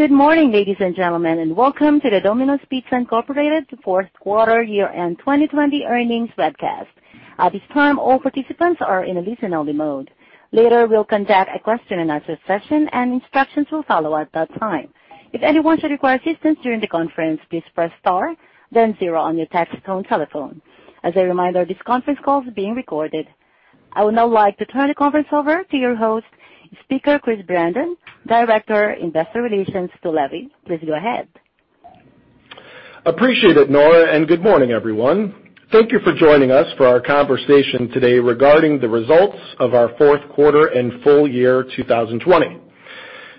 Good morning, ladies and gentlemen, and welcome to the Domino's Pizza, Inc. fourth quarter year-end 2020 earnings webcast. At this time, all participants are in a listen-only mode. Later, we'll conduct a question and answer session, and instructions will follow at that time. If anyone should require assistance during the conference, please press star then zero on your touchtone telephone. As a reminder, this conference call is being recorded. I would now like to turn the conference over to your host, speaker Chris Brandon, Director, Investor Relations. Please go ahead. Appreciate it, Nora, good morning, everyone. Thank you for joining us for our conversation today regarding the results of our fourth quarter and full year 2020.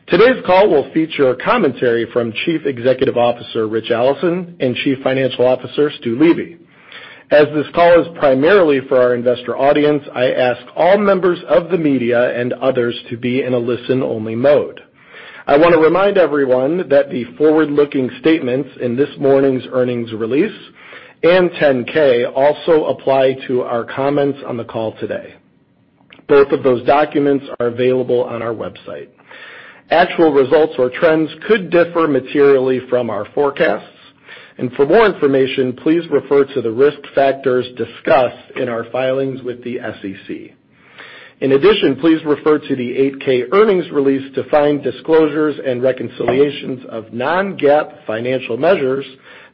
Today's call will feature a commentary from Chief Executive Officer, Ritch Allison, and Chief Financial Officer, Stu Levy. As this call is primarily for our investor audience, I ask all members of the media and others to be in a listen only mode. I want to remind everyone that the forward-looking statements in this morning's earnings release and 10-K also apply to our comments on the call today. Both of those documents are available on our website. Actual results or trends could differ materially from our forecasts. For more information, please refer to the risk factors discussed in our filings with the SEC. In addition, please refer to the 8-K earnings release to find disclosures and reconciliations of non-GAAP financial measures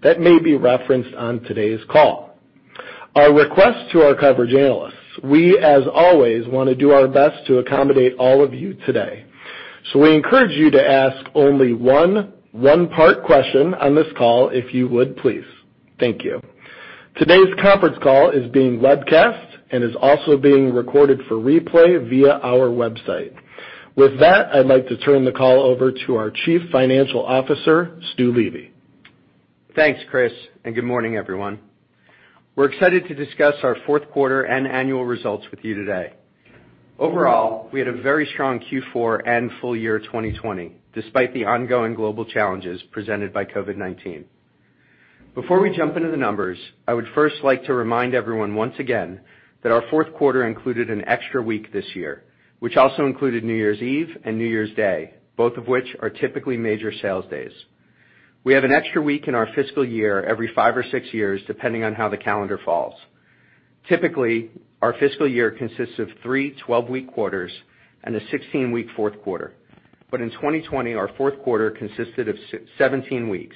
that may be referenced on today's call. Our request to our coverage analysts. We, as always, want to do our best to accommodate all of you today. We encourage you to ask only one part question on this call, if you would, please. Thank you. Today's conference call is being webcast and is also being recorded for replay via our website. With that, I'd like to turn the call over to our Chief Financial Officer, Stu Levy. Thanks, Chris, and good morning, everyone. We're excited to discuss our fourth quarter and annual results with you today. Overall, we had a very strong Q4 and full year 2020, despite the ongoing global challenges presented by COVID-19. Before we jump into the numbers, I would first like to remind everyone once again that our fourth quarter included an extra week this year, which also included New Year's Eve and New Year's Day, both of which are typically major sales days. We have an extra week in our fiscal year every five or six years, depending on how the calendar falls. Typically, our fiscal year consists of three 12-week quarters and a 16-week fourth quarter. In 2020, our fourth quarter consisted of 17 weeks.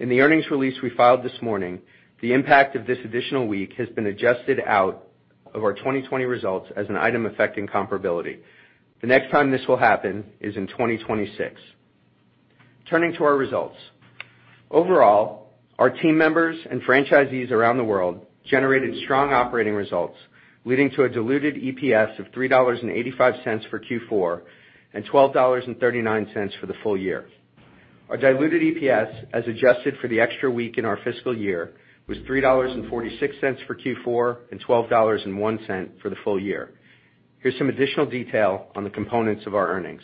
In the earnings release we filed this morning, the impact of this additional week has been adjusted out of our 2020 results as an item affecting comparability. The next time this will happen is in 2026. Turning to our results. Overall, our team members and franchisees around the world generated strong operating results, leading to a diluted EPS of $3.85 for Q4 and $12.39 for the full year. Our diluted EPS, as adjusted for the extra week in our fiscal year, was $3.46 for Q4 and $12.01 for the full year. Here's some additional detail on the components of our earnings.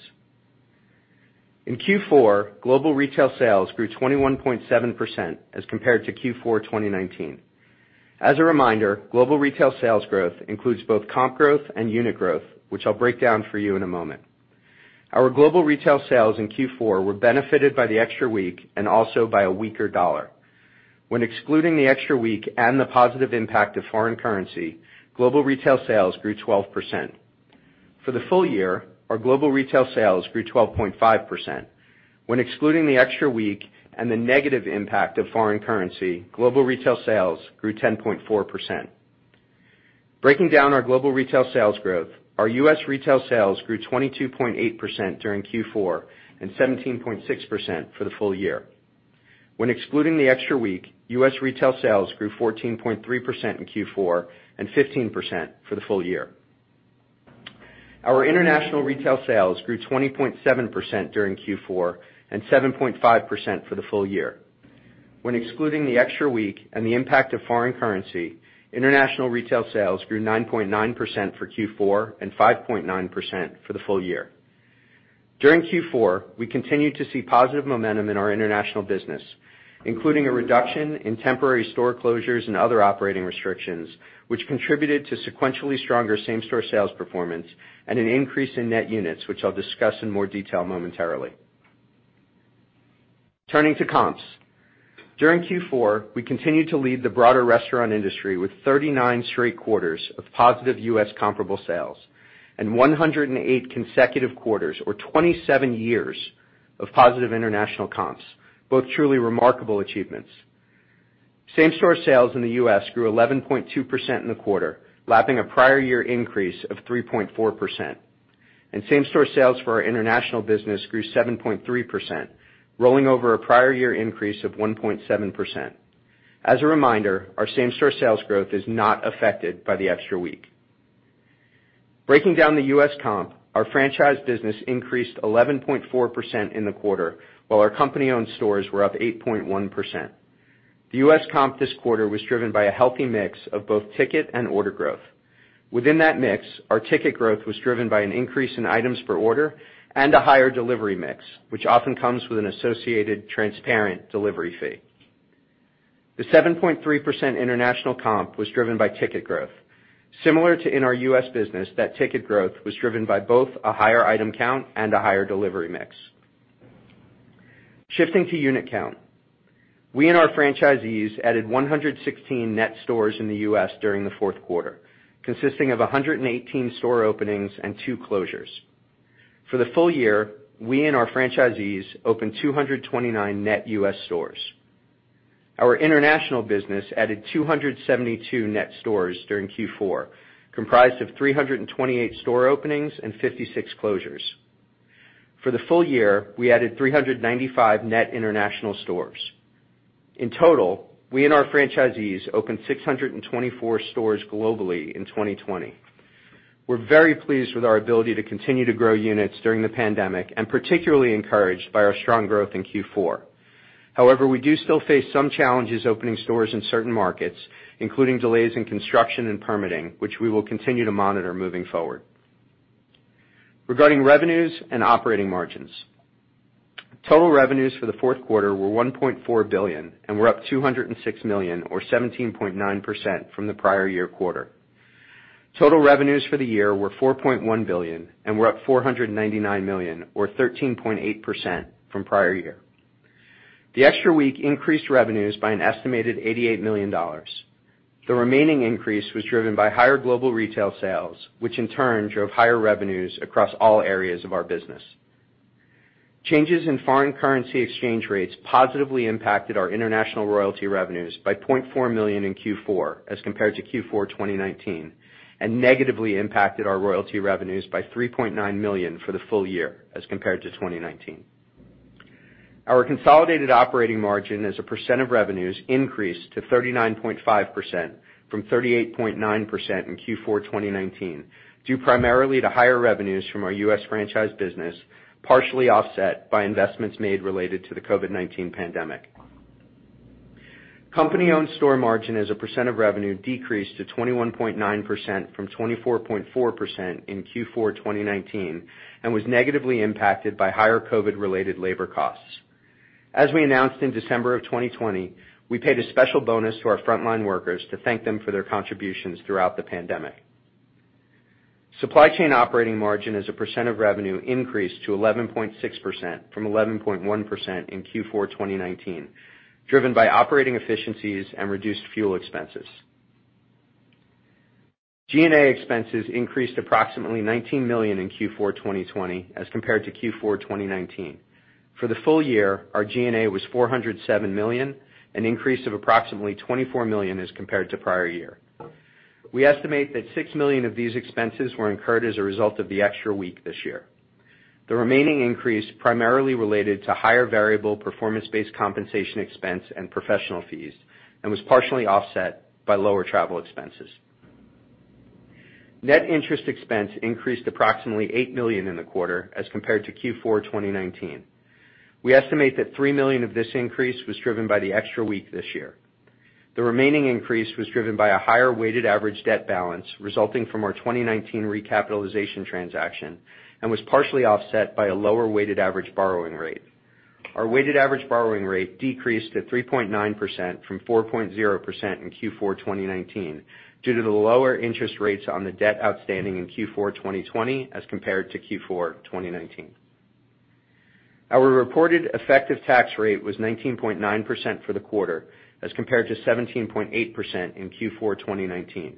In Q4, global retail sales grew 21.7% as compared to Q4 2019. As a reminder, global retail sales growth includes both comp growth and unit growth, which I'll break down for you in a moment. Our global retail sales in Q4 were benefited by the extra week and also by a weaker dollar. When excluding the extra week and the positive impact of foreign currency, global retail sales grew 12%. For the full year, our global retail sales grew 12.5%. When excluding the extra week and the negative impact of foreign currency, global retail sales grew 10.4%. Breaking down our global retail sales growth, our U.S. retail sales grew 22.8% during Q4 and 17.6% for the full year. When excluding the extra week, U.S. retail sales grew 14.3% in Q4 and 15% for the full year. Our international retail sales grew 20.7% during Q4 and 7.5% for the full year. When excluding the extra week and the impact of foreign currency, international retail sales grew 9.9% for Q4 and 5.9% for the full year. During Q4, we continued to see positive momentum in our International business, including a reduction in temporary store closures and other operating restrictions, which contributed to sequentially stronger same-store sales performance and an increase in net units, which I'll discuss in more detail momentarily. Turning to comps. During Q4, we continued to lead the broader restaurant industry with 39 straight quarters of positive U.S. comparable sales and 108 consecutive quarters or 27 years of positive international comps, both truly remarkable achievements. Same-store sales in the U.S. grew 11.2% in the quarter, lapping a prior year increase of 3.4%. Same-store sales for our International business grew 7.3%, rolling over a prior year increase of 1.7%. As a reminder, our same-store sales growth is not affected by the extra week. Breaking down the U.S. comp, our Franchise business increased 11.4% in the quarter, while our Company-Owned Stores were up 8.1%. The U.S. comp this quarter was driven by a healthy mix of both ticket and order growth. Within that mix, our ticket growth was driven by an increase in items per order and a higher delivery mix, which often comes with an associated transparent delivery fee. The 7.3% international comp was driven by ticket growth. Similar to in our U.S. business, that ticket growth was driven by both a higher item count and a higher delivery mix. Shifting to unit count. We and our franchisees added 116 net stores in the U.S. during the fourth quarter, consisting of 118 store openings and two closures. For the full year, we and our franchisees opened 229 net U.S. stores. Our International business added 272 net stores during Q4, comprised of 328 store openings and 56 closures. For the full year, we added 395 net international stores. In total, we and our franchisees opened 624 stores globally in 2020. We're very pleased with our ability to continue to grow units during the pandemic, and particularly encouraged by our strong growth in Q4. However, we do still face some challenges opening stores in certain markets, including delays in construction and permitting, which we will continue to monitor moving forward. Regarding revenues and operating margins. Total revenues for the fourth quarter were $1.4 billion and were up $206 million or 17.9% from the prior year quarter. Total revenues for the year were $4.1 billion and were up $499 million or 13.8% from prior year. The extra week increased revenues by an estimated $88 million. The remaining increase was driven by higher global retail sales, which in turn drove higher revenues across all areas of our business. Changes in foreign currency exchange rates positively impacted our international royalty revenues by $0.4 million in Q4 as compared to Q4 2019, and negatively impacted our royalty revenues by $3.9 million for the full year as compared to 2019. Our consolidated operating margin as a percent of revenues increased to 39.5% from 38.9% in Q4 2019, due primarily to higher revenues from our U.S. Franchise business, partially offset by investments made related to the COVID-19 pandemic. Company-Owned Store margin as a percent of revenue decreased to 21.9% from 24.4% in Q4 2019, and was negatively impacted by higher COVID-related labor costs. As we announced in December of 2020, we paid a special bonus to our frontline workers to thank them for their contributions throughout the pandemic. Supply Chain operating margin as a percent of revenue increased to 11.6% from 11.1% in Q4 2019, driven by operating efficiencies and reduced fuel expenses. G&A expenses increased approximately $19 million in Q4 2020 as compared to Q4 2019. For the full year, our G&A was $407 million, an increase of approximately $24 million as compared to prior year. We estimate that $6 million of these expenses were incurred as a result of the extra week this year. The remaining increase primarily related to higher variable performance-based compensation expense and professional fees, and was partially offset by lower travel expenses. Net interest expense increased approximately $8 million in the quarter as compared to Q4 2019. We estimate that $3 million of this increase was driven by the extra week this year. The remaining increase was driven by a higher weighted average debt balance resulting from our 2019 recapitalization transaction, and was partially offset by a lower weighted average borrowing rate. Our weighted average borrowing rate decreased to 3.9% from 4.0% in Q4 2019 due to the lower interest rates on the debt outstanding in Q4 2020 as compared to Q4 2019. Our reported effective tax rate was 19.9% for the quarter as compared to 17.8% in Q4 2019.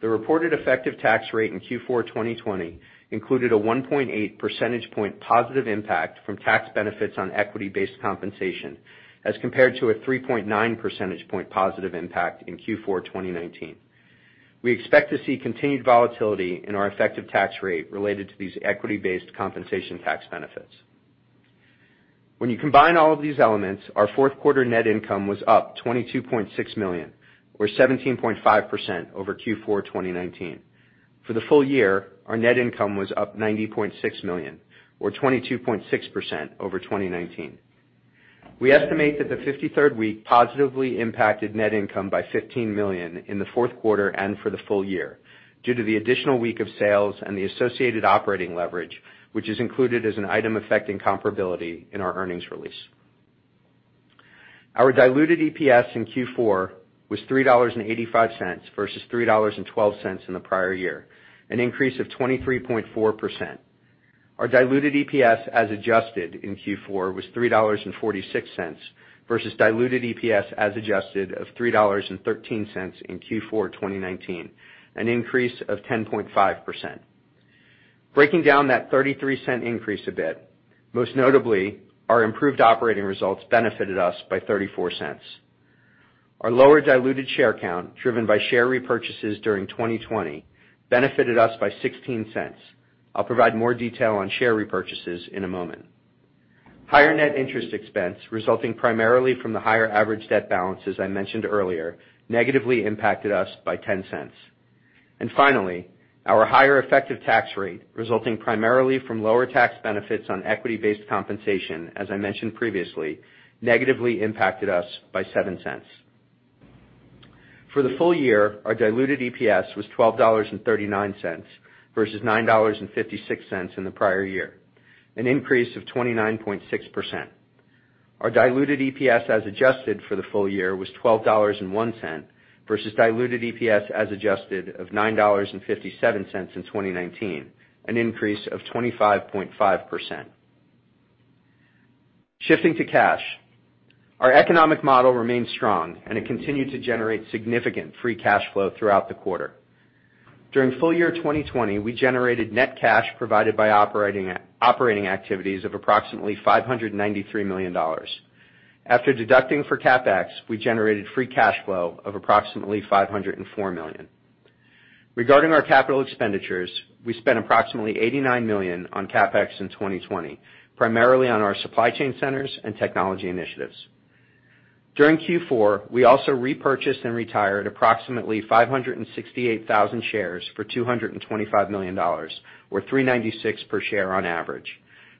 The reported effective tax rate in Q4 2020 included a 1.8 percentage point positive impact from tax benefits on equity-based compensation as compared to a 3.9 percentage point positive impact in Q4 2019. We expect to see continued volatility in our effective tax rate related to these equity-based compensation tax benefits. When you combine all of these elements, our fourth quarter net income was up $22.6 million or 17.5% over Q4 2019. For the full year, our net income was up $90.6 million or 22.6% over 2019. We estimate that the 53rd week positively impacted net income by $15 million in the fourth quarter and for the full year due to the additional week of sales and the associated operating leverage, which is included as an item affecting comparability in our earnings release. Our diluted EPS in Q4 was $3.85 versus $3.12 in the prior year, an increase of 23.4%. Our diluted EPS as adjusted in Q4 was $3.46 versus diluted EPS as adjusted of $3.13 in Q4 2019, an increase of 10.5%. Breaking down that $0.33 increase a bit, most notably, our improved operating results benefited us by $0.34. Our lower diluted share count driven by share repurchases during 2020 benefited us by $0.16. I'll provide more detail on share repurchases in a moment. Higher net interest expense resulting primarily from the higher average debt balance, as I mentioned earlier, negatively impacted us by $0.10. Finally, our higher effective tax rate, resulting primarily from lower tax benefits on equity-based compensation, as I mentioned previously, negatively impacted us by $0.07. For the full year, our diluted EPS was $12.39 versus $9.56 in the prior year, an increase of 29.6%. Our diluted EPS as adjusted for the full year was $12.01 versus diluted EPS as adjusted of $9.57 in 2019, an increase of 25.5%. Shifting to cash, our economic model remains strong, and it continued to generate significant free cash flow throughout the quarter. During full year 2020, we generated net cash provided by operating activities of approximately $593 million. After deducting for CapEx, we generated free cash flow of approximately $504 million. Regarding our capital expenditures, we spent approximately $89 million on CapEx in 2020, primarily on our supply chain centers and technology initiatives. During Q4, we also repurchased and retired approximately 568,000 shares for $225 million or $396 per share on average,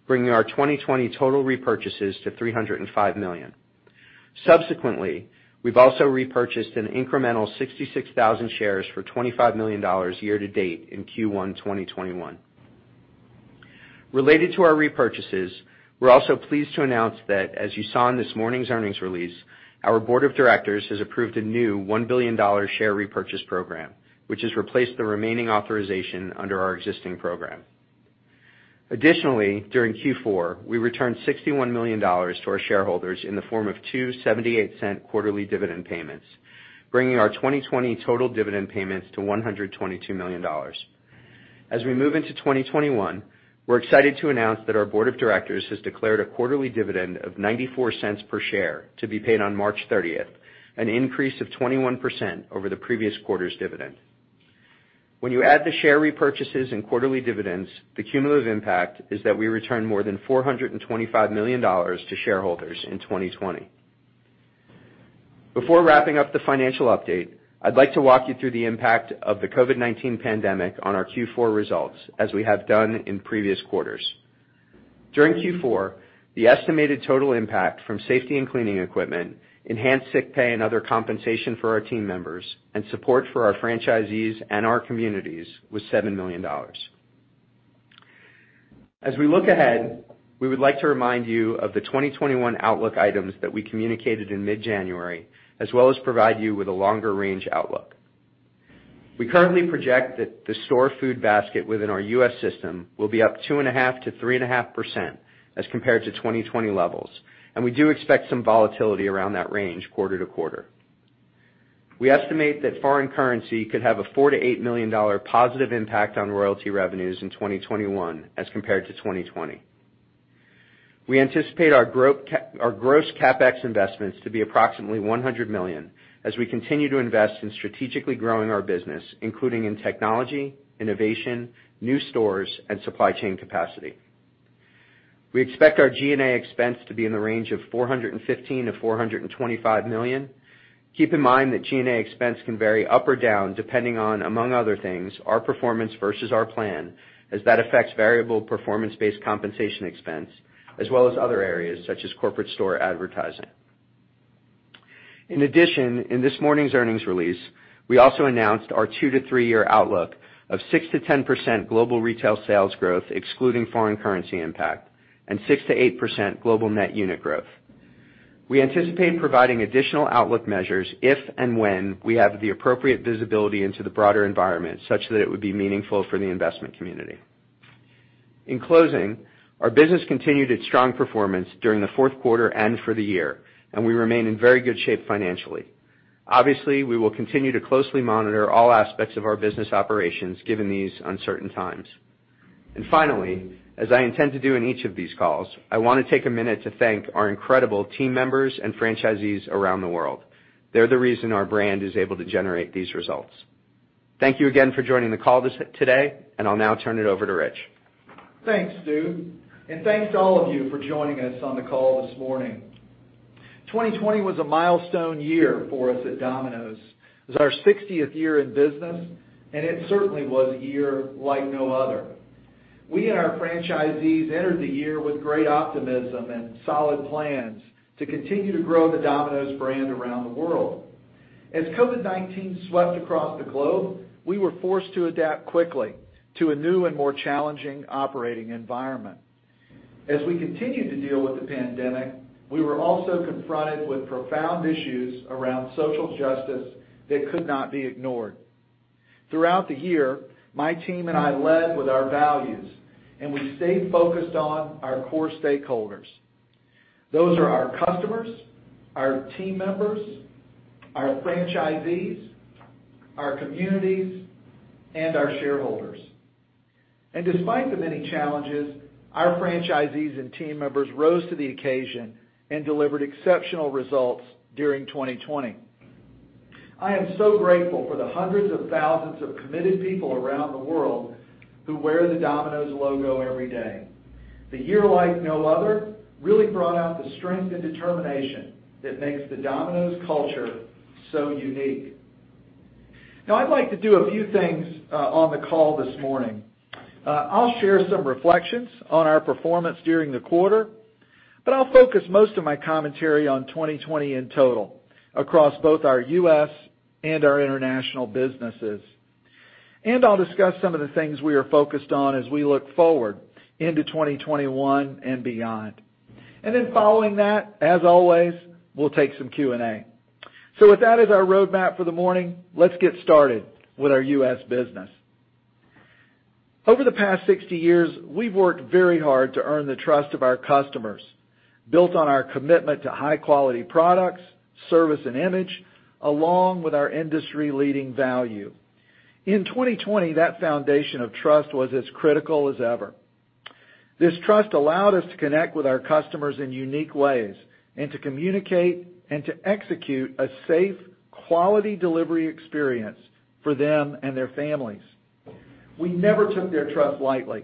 bringing our 2020 total repurchases to $305 million. Subsequently, we've also repurchased an incremental 66,000 shares for $25 million year to date in Q1 2021. Related to our repurchases, we're also pleased to announce that, as you saw in this morning's earnings release, our board of directors has approved a new $1 billion share repurchase program, which has replaced the remaining authorization under our existing program. Additionally, during Q4, we returned $61 million to our shareholders in the form of two $0.78 quarterly dividend payments, bringing our 2020 total dividend payments to $122 million. As we move into 2021, we're excited to announce that our board of directors has declared a quarterly dividend of $0.94 per share to be paid on March 30th, an increase of 21% over the previous quarter's dividend. When you add the share repurchases and quarterly dividends, the cumulative impact is that we return more than $425 million to shareholders in 2020. Before wrapping up the financial update, I'd like to walk you through the impact of the COVID-19 pandemic on our Q4 results, as we have done in previous quarters. During Q4, the estimated total impact from safety and cleaning equipment, enhanced sick pay and other compensation for our team members, and support for our franchisees and our communities was $7 million. As we look ahead, we would like to remind you of the 2021 outlook items that we communicated in mid-January, as well as provide you with a longer range outlook. We currently project that the store food basket within our U.S. system will be up 2.5%-3.5% as compared to 2020 levels, and we do expect some volatility around that range quarter to quarter. We estimate that foreign currency could have a $4 million-$8 million positive impact on royalty revenues in 2021 as compared to 2020. We anticipate our gross CapEx investments to be approximately $100 million as we continue to invest in strategically growing our business, including in technology, innovation, new stores, and supply chain capacity. We expect our G&A expense to be in the range of $415 million-$425 million. Keep in mind that G&A expense can vary up or down depending on, among other things, our performance versus our plan, as that affects variable performance-based compensation expense as well as other areas such as corporate store advertising. In addition, in this morning's earnings release, we also announced our two to three-year outlook of 6%-10% global retail sales growth excluding foreign currency impact, and 6%-8% global net unit growth. We anticipate providing additional outlook measures if and when we have the appropriate visibility into the broader environment, such that it would be meaningful for the investment community. In closing, our business continued its strong performance during the fourth quarter and for the year, and we remain in very good shape financially. Obviously, we will continue to closely monitor all aspects of our business operations, given these uncertain times. Finally, as I intend to do in each of these calls, I want to take a minute to thank our incredible team members and franchisees around the world. They're the reason our brand is able to generate these results. Thank you again for joining the call today, and I'll now turn it over to Ritch. Thanks, Stu, and thanks to all of you for joining us on the call this morning. 2020 was a milestone year for us at Domino's. It was our 60th year in business, and it certainly was a year like no other. We and our franchisees entered the year with great optimism and solid plans to continue to grow the Domino's brand around the world. As COVID-19 swept across the globe, we were forced to adapt quickly to a new and more challenging operating environment. As we continued to deal with the pandemic, we were also confronted with profound issues around social justice that could not be ignored. Throughout the year, my team and I led with our values, and we stayed focused on our core stakeholders. Those are our customers, our team members, our franchisees, our communities, and our shareholders. Despite the many challenges, our franchisees and team members rose to the occasion and delivered exceptional results during 2020. I am so grateful for the hundreds of thousands of committed people around the world who wear the Domino's logo every day. The year like no other really brought out the strength and determination that makes the Domino's culture so unique. I'd like to do a few things on the call this morning. I'll share some reflections on our performance during the quarter, but I'll focus most of my commentary on 2020 in total, across both our U.S. and our International businesses. I'll discuss some of the things we are focused on as we look forward into 2021 and beyond. Then following that, as always, we'll take some Q&A. With that as our roadmap for the morning, let's get started with our U.S. business. Over the past 60 years, we've worked very hard to earn the trust of our customers, built on our commitment to high-quality products, service, and image, along with our industry-leading value. In 2020, that foundation of trust was as critical as ever. This trust allowed us to connect with our customers in unique ways, and to communicate and to execute a safe, quality delivery experience for them and their families. We never took their trust lightly,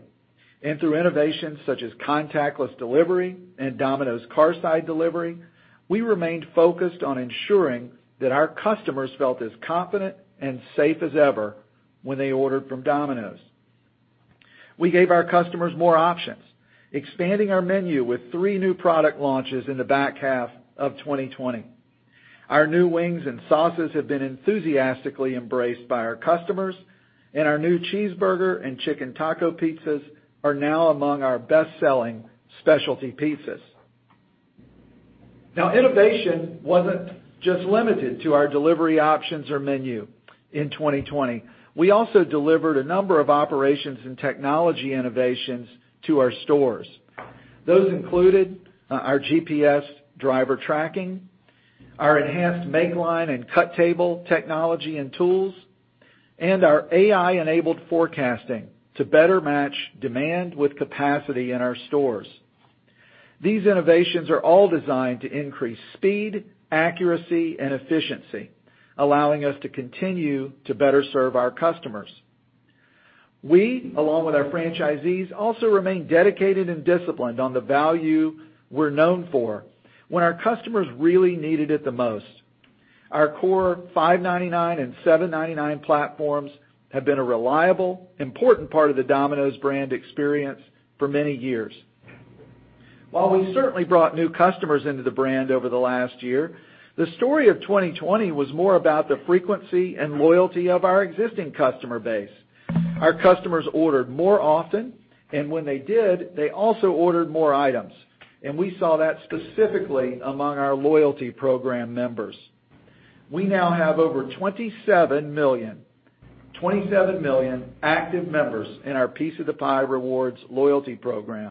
and through innovations such as contactless delivery and Domino's Carside Delivery, we remained focused on ensuring that our customers felt as confident and safe as ever when they ordered from Domino's. We gave our customers more options, expanding our menu with three new product launches in the back half of 2020. Our new wings and sauces have been enthusiastically embraced by our customers. Our new cheeseburger and chicken taco pizzas are now among our best-selling specialty pizzas. Innovation wasn't just limited to our delivery options or menu in 2020. We also delivered a number of operations and technology innovations to our stores. Those included our GPS driver tracking, our enhanced makeline and cut table technology and tools, and our AI-enabled forecasting to better match demand with capacity in our stores. These innovations are all designed to increase speed, accuracy, and efficiency, allowing us to continue to better serve our customers. We, along with our franchisees, also remain dedicated and disciplined on the value we're known for when our customers really needed it the most. Our core $5.99 and $7.99 platforms have been a reliable, important part of the Domino's brand experience for many years. While we certainly brought new customers into the brand over the last year, the story of 2020 was more about the frequency and loyalty of our existing customer base. Our customers ordered more often, and when they did, they also ordered more items. We saw that specifically among our loyalty program members. We now have over 27 million active members in our Piece of the Pie Rewards loyalty program.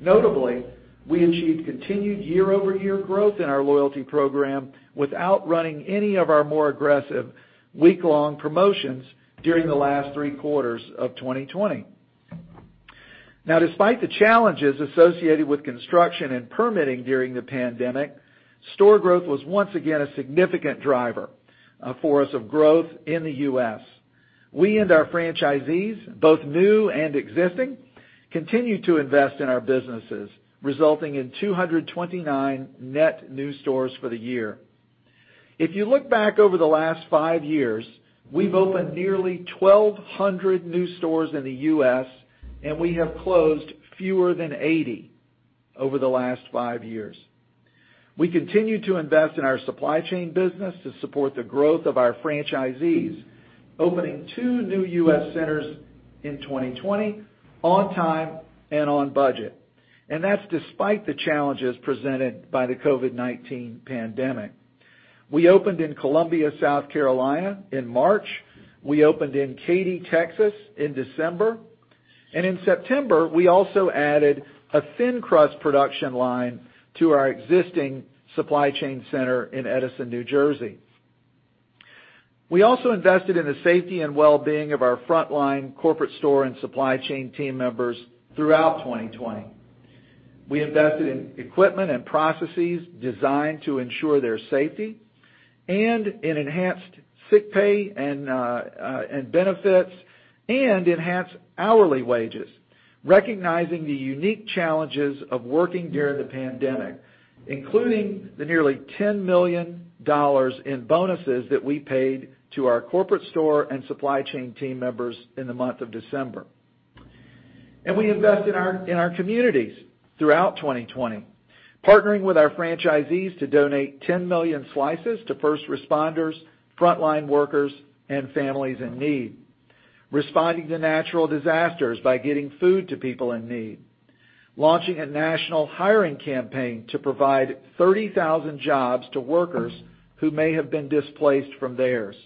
Notably, we achieved continued year-over-year growth in our loyalty program without running any of our more aggressive week-long promotions during the last three quarters of 2020. Despite the challenges associated with construction and permitting during the pandemic, store growth was once again a significant driver for us of growth in the U.S. We and our franchisees, both new and existing, continue to invest in our businesses, resulting in 229 net new stores for the year. If you look back over the last five years, we've opened nearly 1,200 new stores in the U.S., and we have closed fewer than 80 over the last five years. We continue to invest in our Supply Chain business to support the growth of our franchisees, opening two new U.S. centers in 2020 on time and on budget. That's despite the challenges presented by the COVID-19 pandemic. We opened in Columbia, South Carolina in March. We opened in Katy, Texas in December. In September, we also added a thin crust production line to our existing Supply Chain center in Edison, New Jersey. We also invested in the safety and well-being of our frontline corporate store and Supply Chain team members throughout 2020. We invested in equipment and processes designed to ensure their safety and in enhanced sick pay and benefits and enhanced hourly wages, recognizing the unique challenges of working during the pandemic, including the nearly $10 million in bonuses that we paid to our corporate store and Supply Chain team members in the month of December. We invest in our communities throughout 2020, partnering with our franchisees to donate 10 million slices to first responders, frontline workers, and families in need. Responding to natural disasters by getting food to people in need. Launching a national hiring campaign to provide 30,000 jobs to workers who may have been displaced from theirs.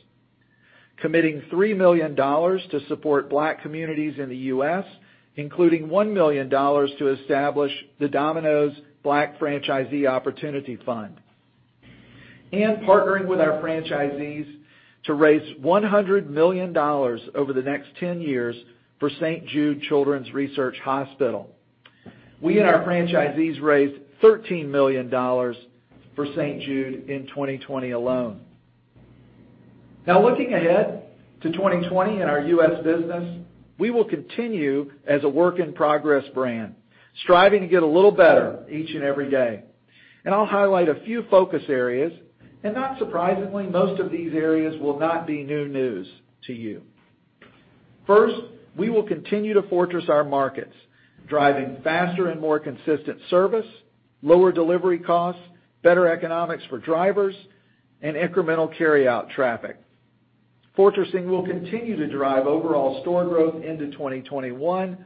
Committing $3 million to support Black communities in the U.S., including $1 million to establish the Domino's Black Franchisee Opportunity Fund. Partnering with our franchisees to raise $100 million over the next 10 years for St. Jude Children's Research Hospital. We and our franchisees raised $13 million for St. Jude in 2020 alone. Looking ahead to 2020 and our U.S. business. We will continue as a work in progress brand, striving to get a little better each and every day. I'll highlight a few focus areas, and not surprisingly, most of these areas will not be new news to you. First, we will continue to fortress our markets, driving faster and more consistent service, lower delivery costs, better economics for drivers, and incremental carryout traffic. Fortressing will continue to drive overall store growth into 2021,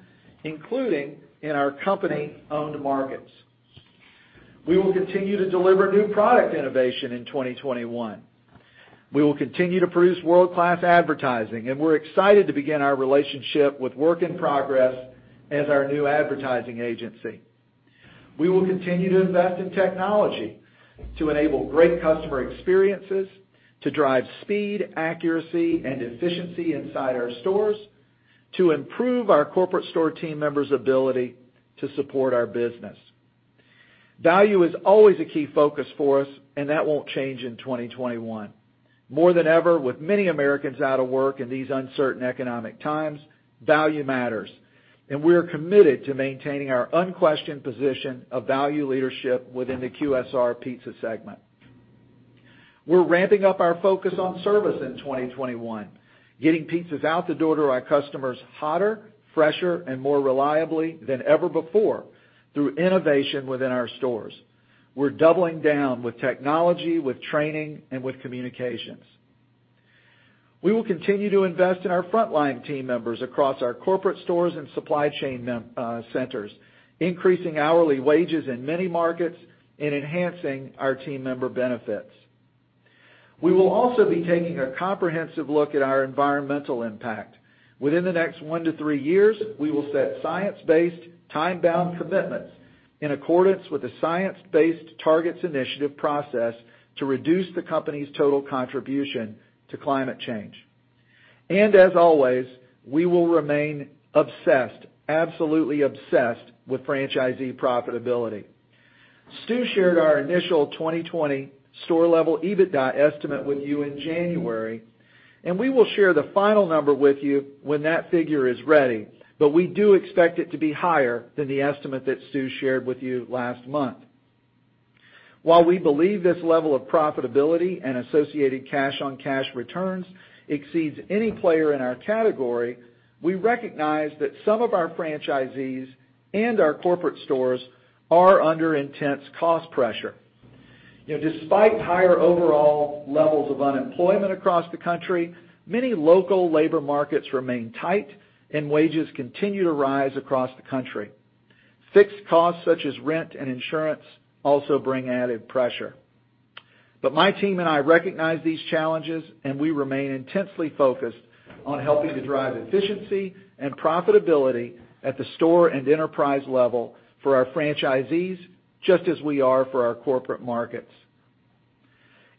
including in our Company-Owned markets. We will continue to deliver new product innovation in 2021. We will continue to produce world-class advertising, and we're excited to begin our relationship with WorkInProgress as our new advertising agency. We will continue to invest in technology to enable great customer experiences, to drive speed, accuracy, and efficiency inside our stores, to improve our corporate store team members' ability to support our business. Value is always a key focus for us, and that won't change in 2021. More than ever, with many Americans out of work in these uncertain economic times, value matters. We're committed to maintaining our unquestioned position of value leadership within the QSR pizza segment. We're ramping up our focus on service in 2021, getting pizzas out the door to our customers hotter, fresher, and more reliably than ever before through innovation within our stores. We're doubling down with technology, with training, and with communications. We will continue to invest in our frontline team members across our corporate stores and supply chain centers, increasing hourly wages in many markets, and enhancing our team member benefits. We will also be taking a comprehensive look at our environmental impact. Within the next one to three years, we will set science-based, time-bound commitments in accordance with the Science-Based Targets initiative process to reduce the company's total contribution to climate change. As always, we will remain obsessed, absolutely obsessed, with franchisee profitability. Stu shared our initial 2020 store-level EBITDA estimate with you in January, and we will share the final number with you when that figure is ready. We do expect it to be higher than the estimate that Stu shared with you last month. While we believe this level of profitability and associated cash on cash returns exceeds any player in our category, we recognize that some of our franchisees and our corporate stores are under intense cost pressure. Despite higher overall levels of unemployment across the country, many local labor markets remain tight, and wages continue to rise across the country. Fixed costs such as rent and insurance also bring added pressure. My team and I recognize these challenges, and we remain intensely focused on helping to drive efficiency and profitability at the store and enterprise level for our franchisees, just as we are for our corporate markets.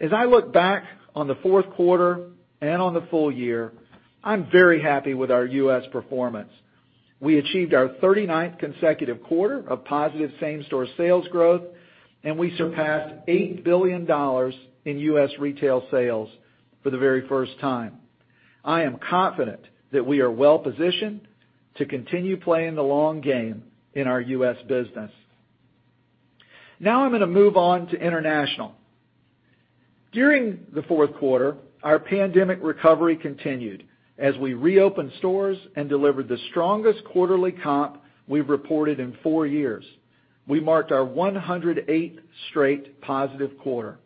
As I look back on the fourth quarter and on the full year, I'm very happy with our U.S. performance. We achieved our 39th consecutive quarter of positive same-store sales growth. We surpassed $8 billion in U.S. retail sales for the very first time. I am confident that we are well-positioned to continue playing the long game in our U.S. business. I'm going to move on to International. During the fourth quarter, our pandemic recovery continued as we reopened stores and delivered the strongest quarterly comp we've reported in four years. We marked our 108th straight positive quarter.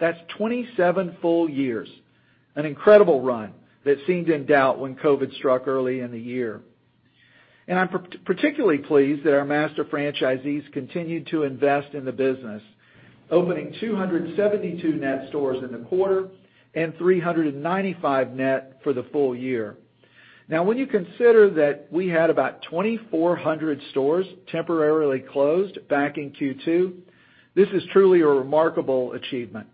That's 27 full years, an incredible run that seemed in doubt when COVID struck early in the year. I'm particularly pleased that our master franchisees continued to invest in the business, opening 272 net stores in the quarter and 395 net for the full year. When you consider that we had about 2,400 stores temporarily closed back in Q2, this is truly a remarkable achievement.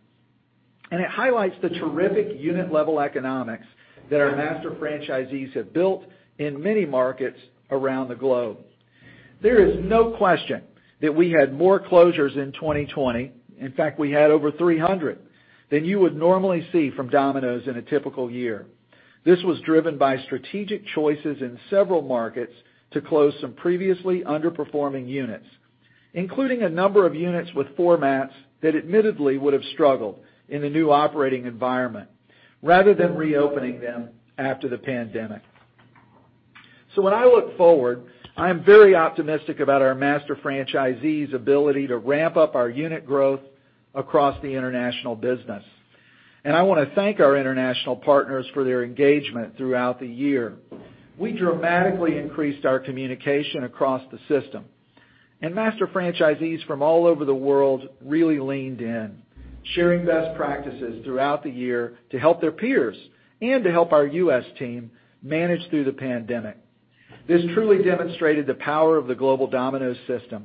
It highlights the terrific unit-level economics that our master franchisees have built in many markets around the globe. There is no question that we had more closures in 2020, in fact, we had over 300, than you would normally see from Domino's in a typical year. This was driven by strategic choices in several markets to close some previously underperforming units, including a number of units with formats that admittedly would have struggled in the new operating environment rather than reopening them after the pandemic. When I look forward, I am very optimistic about our master franchisees' ability to ramp up our unit growth across the International business. I want to thank our international partners for their engagement throughout the year. We dramatically increased our communication across the system. Master franchisees from all over the world really leaned in, sharing best practices throughout the year to help their peers and to help our U.S. team manage through the pandemic. This truly demonstrated the power of the global Domino's system.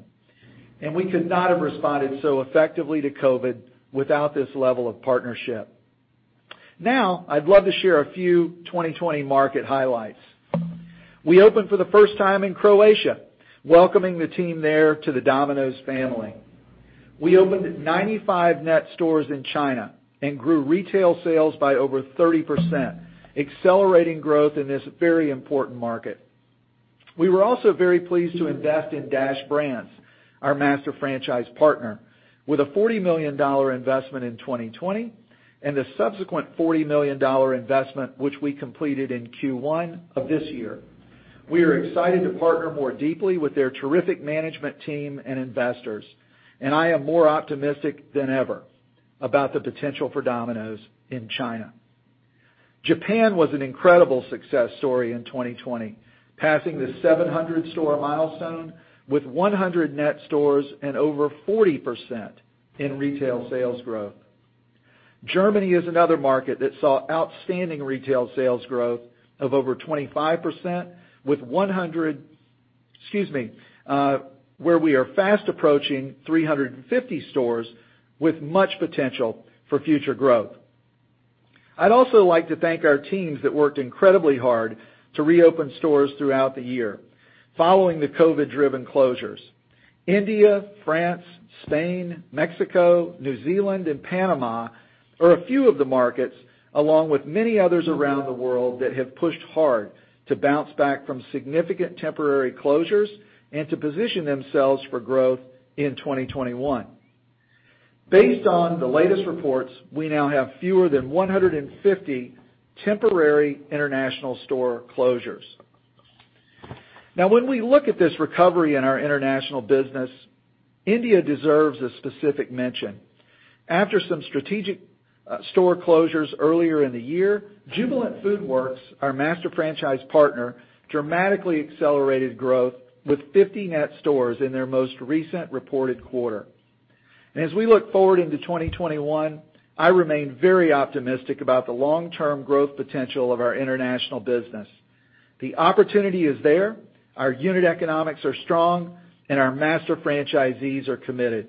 We could not have responded so effectively to COVID without this level of partnership. Now, I'd love to share a few 2020 market highlights. We opened for the first time in Croatia, welcoming the team there to the Domino's family. We opened 95 net stores in China and grew retail sales by over 30%, accelerating growth in this very important market. We were also very pleased to invest in Dash Brands, our master franchise partner, with a $40 million investment in 2020 and a subsequent $40 million investment, which we completed in Q1 of this year. We are excited to partner more deeply with their terrific management team and investors, and I am more optimistic than ever about the potential for Domino's in China. Japan was an incredible success story in 2020, passing the 700-store milestone with 100 net stores and over 40% in retail sales growth. Germany is another market that saw outstanding retail sales growth of over 25%, where we are fast approaching 350 stores with much potential for future growth. I'd also like to thank our teams that worked incredibly hard to reopen stores throughout the year following the COVID-driven closures. India, France, Spain, Mexico, New Zealand, and Panama are a few of the markets, along with many others around the world that have pushed hard to bounce back from significant temporary closures and to position themselves for growth in 2021. Based on the latest reports, we now have fewer than 150 temporary international store closures. When we look at this recovery in our International business, India deserves a specific mention. After some strategic store closures earlier in the year, Jubilant FoodWorks, our master franchise partner, dramatically accelerated growth with 50 net stores in their most recent reported quarter. As we look forward into 2021, I remain very optimistic about the long-term growth potential of our International business. The opportunity is there, our unit economics are strong, and our master franchisees are committed.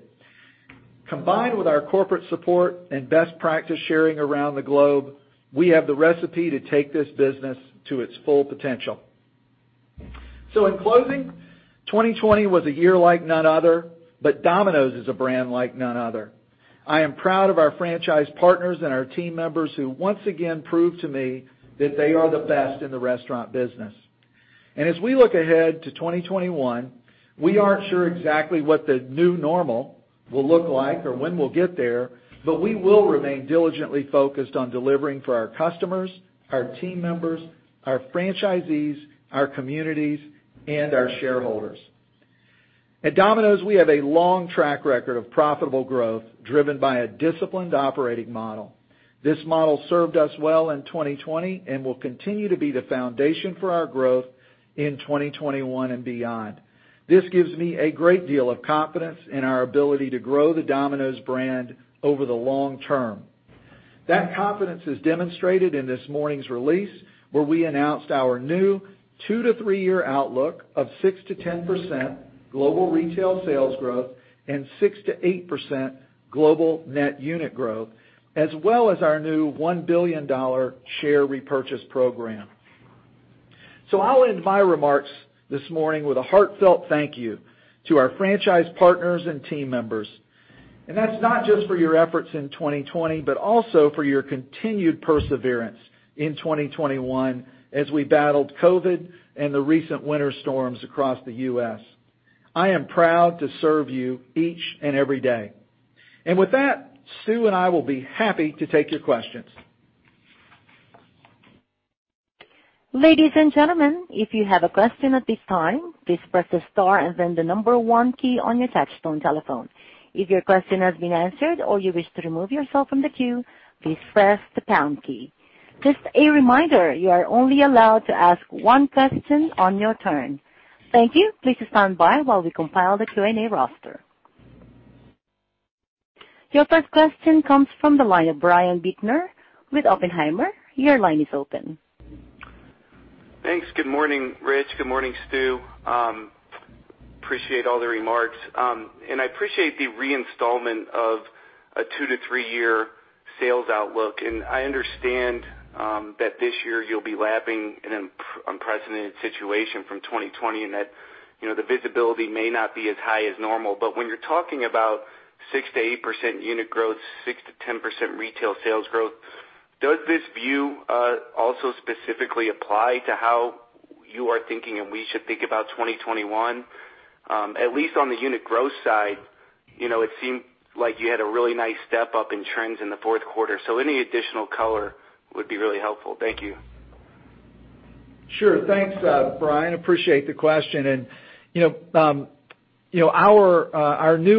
Combined with our corporate support and best practice sharing around the globe, we have the recipe to take this business to its full potential. In closing, 2020 was a year like none other, but Domino's is a brand like none other. I am proud of our franchise partners and our team members, who once again proved to me that they are the best in the restaurant business. As we look ahead to 2021, we aren't sure exactly what the new normal will look like or when we'll get there, but we will remain diligently focused on delivering for our customers, our team members, our franchisees, our communities, and our shareholders. At Domino's, we have a long track record of profitable growth driven by a disciplined operating model. This model served us well in 2020 and will continue to be the foundation for our growth in 2021 and beyond. This gives me a great deal of confidence in our ability to grow the Domino's brand over the long term. That confidence is demonstrated in this morning's release, where we announced our new two to three-year outlook of 6%-10% global retail sales growth and 6%-8% global net unit growth, as well as our new $1 billion share repurchase program. I'll end my remarks this morning with a heartfelt thank you to our franchise partners and team members. That's not just for your efforts in 2020, but also for your continued perseverance in 2021 as we battled COVID-19 and the recent winter storms across the U.S. I am proud to serve you each and every day. With that, Stu and I will be happy to take your questions. Ladies and gentlemen, if you have a question at this time, please press the star and then the number one key on your touchtone telephone. If your question has been answered or you wish to remove yourself from the queue, please press the pound key. Just a reminder, you are only allowed to ask one question on your turn. Thank you. Please stand by while we compile the Q&A roster. Your first question comes from the line of Brian Bittner with Oppenheimer. Your line is open. Thanks. Good morning, Ritch. Good morning, Stu. Appreciate all the remarks. I appreciate the re-installment of a 2-3-year sales outlook. I understand that this year you'll be lapping an unprecedented situation from 2020, and that the visibility may not be as high as normal. When you're talking about 6%-8% unit growth, 6%-10% retail sales growth, does this view also specifically apply to how you are thinking and we should think about 2021? At least on the unit growth side, it seemed like you had a really nice step up in trends in the fourth quarter. Any additional color would be really helpful. Thank you. Sure. Thanks, Brian. Appreciate the question. Our new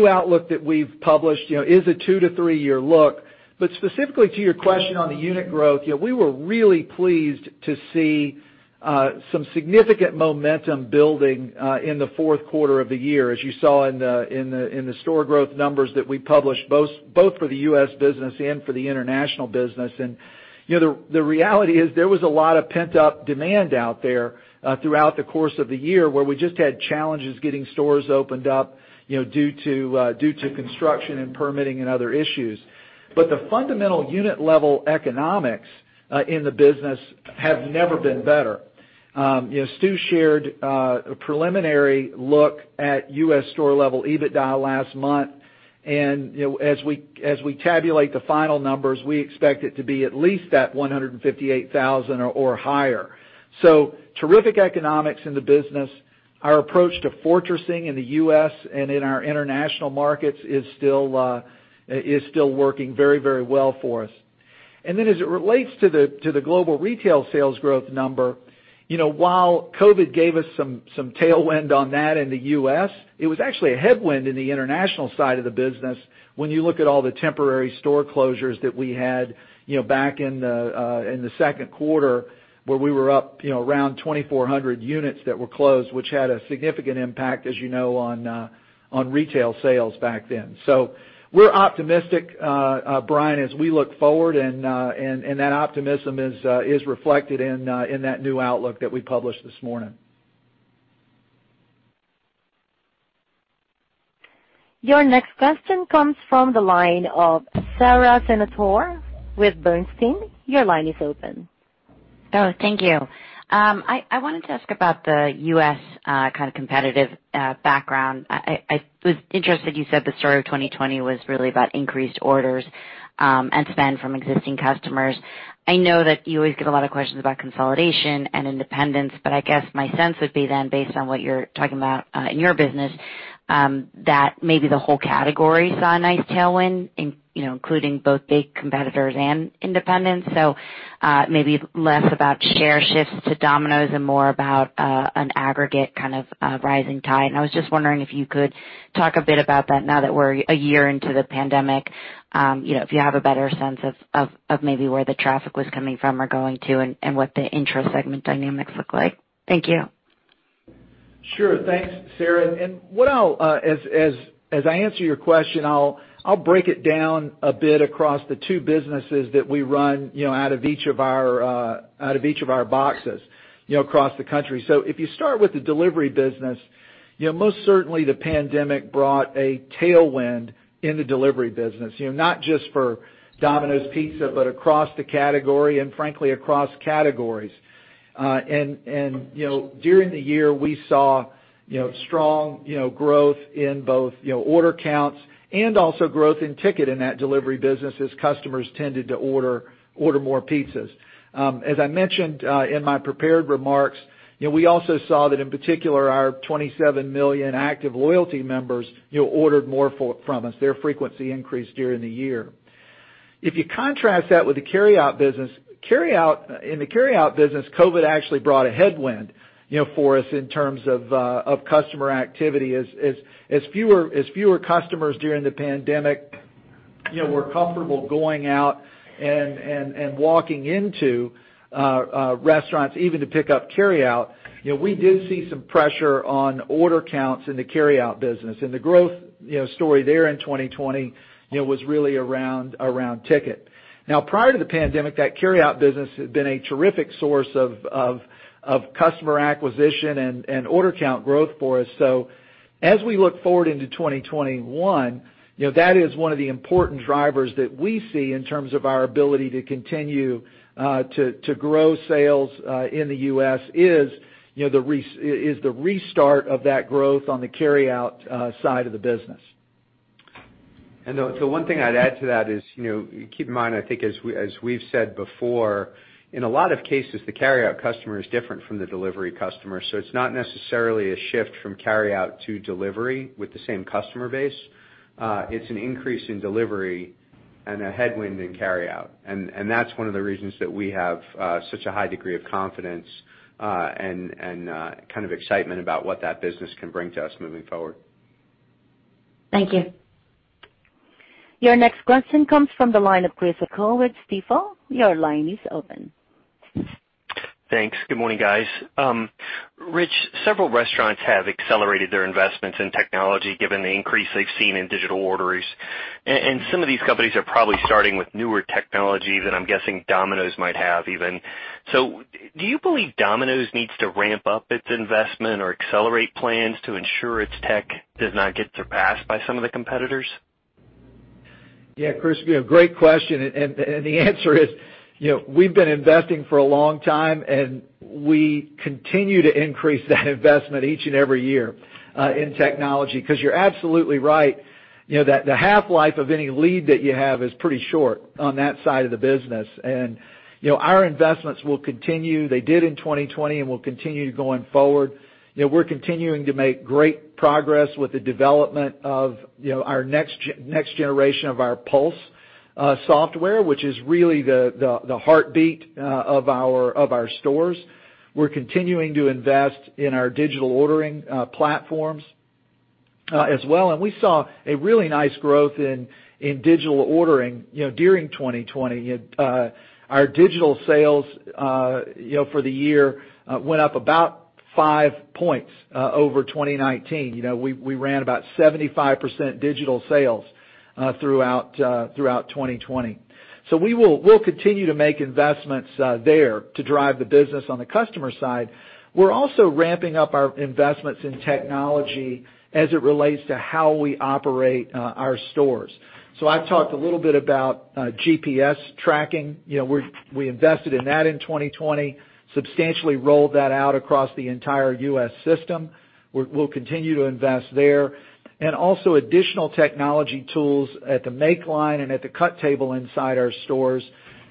outlook that we've published is a two to three-year look. Specifically to your question on the unit growth, we were really pleased to see some significant momentum building in the fourth quarter of the year, as you saw in the store growth numbers that we published, both for the U.S. business and for the International business. The reality is there was a lot of pent-up demand out there throughout the course of the year, where we just had challenges getting stores opened up due to construction and permitting and other issues. The fundamental unit level economics in the business have never been better. Stu shared a preliminary look at U.S. store-level EBITDA last month, and as we tabulate the final numbers, we expect it to be at least that $158,000 or higher. Terrific economics in the business. Our approach to fortressing in the U.S. and in our international markets is still working very well for us. As it relates to the global retail sales growth number, while COVID-19 gave us some tailwind on that in the U.S., it was actually a headwind in the international side of the business when you look at all the temporary store closures that we had back in the second quarter, where we were up around 2,400 units that were closed, which had a significant impact, as you know, on retail sales back then. We're optimistic, Brian, as we look forward, and that optimism is reflected in that new outlook that we published this morning. Your next question comes from the line of Sara Senatore with Bernstein. Your line is open. Oh, thank you. I wanted to ask about the U.S. competitive background. I was interested, you said the story of 2020 was really about increased orders and spend from existing customers. I know that you always get a lot of questions about consolidation and independence. I guess my sense would be, based on what you're talking about in your business, that maybe the whole category saw a nice tailwind, including both big competitors and independents. Maybe less about share shifts to Domino's and more about an aggregate kind of rising tide. I was just wondering if you could talk a bit about that now that we're a year into the pandemic. If you have a better sense of maybe where the traffic was coming from or going to and what the intra-segment dynamics look like. Thank you. Sure. Thanks, Sara. As I answer your question, I'll break it down a bit across the two businesses that we run out of each of our boxes across the country. If you start with the delivery business, most certainly the pandemic brought a tailwind in the delivery business. Not just for Domino's Pizza, across the category, frankly, across categories. During the year, we saw strong growth in both order counts and also growth in ticket in that delivery business as customers tended to order more pizzas. As I mentioned in my prepared remarks, we also saw that in particular, our 27 million active loyalty members ordered more from us. Their frequency increased during the year. If you contrast that with the carryout business, in the carryout business, COVID actually brought a headwind for us in terms of customer activity. As fewer customers during the pandemic were comfortable going out and walking into restaurants, even to pick up carryout. We did see some pressure on order counts in the carryout business, and the growth story there in 2020 was really around ticket. Now, prior to the pandemic, that carryout business had been a terrific source of customer acquisition and order count growth for us. As we look forward into 2021, that is one of the important drivers that we see in terms of our ability to continue to grow sales in the U.S., is the restart of that growth on the carryout side of the business. The one thing I'd add to that is, keep in mind, I think as we've said before, in a lot of cases, the carryout customer is different from the delivery customer. It's not necessarily a shift from carryout to delivery with the same customer base. It's an increase in delivery and a headwind in carryout. That's one of the reasons that we have such a high degree of confidence and kind of excitement about what that business can bring to us moving forward. Thank you. Your next question comes from the line of Chris O'Cull with Stifel. Your line is open. Thanks. Good morning, guys. Ritch, several restaurants have accelerated their investments in technology given the increase they've seen in digital orders. Some of these companies are probably starting with newer technology than I'm guessing Domino's might have, even. Do you believe Domino's needs to ramp up its investment or accelerate plans to ensure its tech does not get surpassed by some of the competitors? Yeah, Chris, great question. The answer is, we've been investing for a long time, and we continue to increase that investment each and every year in technology. You're absolutely right, the half-life of any lead that you have is pretty short on that side of the business. Our investments will continue. They did in 2020, will continue going forward. We're continuing to make great progress with the development of our next generation of our Pulse software, which is really the heartbeat of our stores. We're continuing to invest in our digital ordering platforms as well. We saw a really nice growth in digital ordering during 2020. Our digital sales for the year went up about five points over 2019. We ran about 75% digital sales throughout 2020. We'll continue to make investments there to drive the business on the customer side. We're also ramping up our investments in technology as it relates to how we operate our stores. I've talked a little bit about GPS tracking. We invested in that in 2020, substantially rolled that out across the entire U.S. system. We'll continue to invest there. Also additional technology tools at the make line and at the cut table inside our stores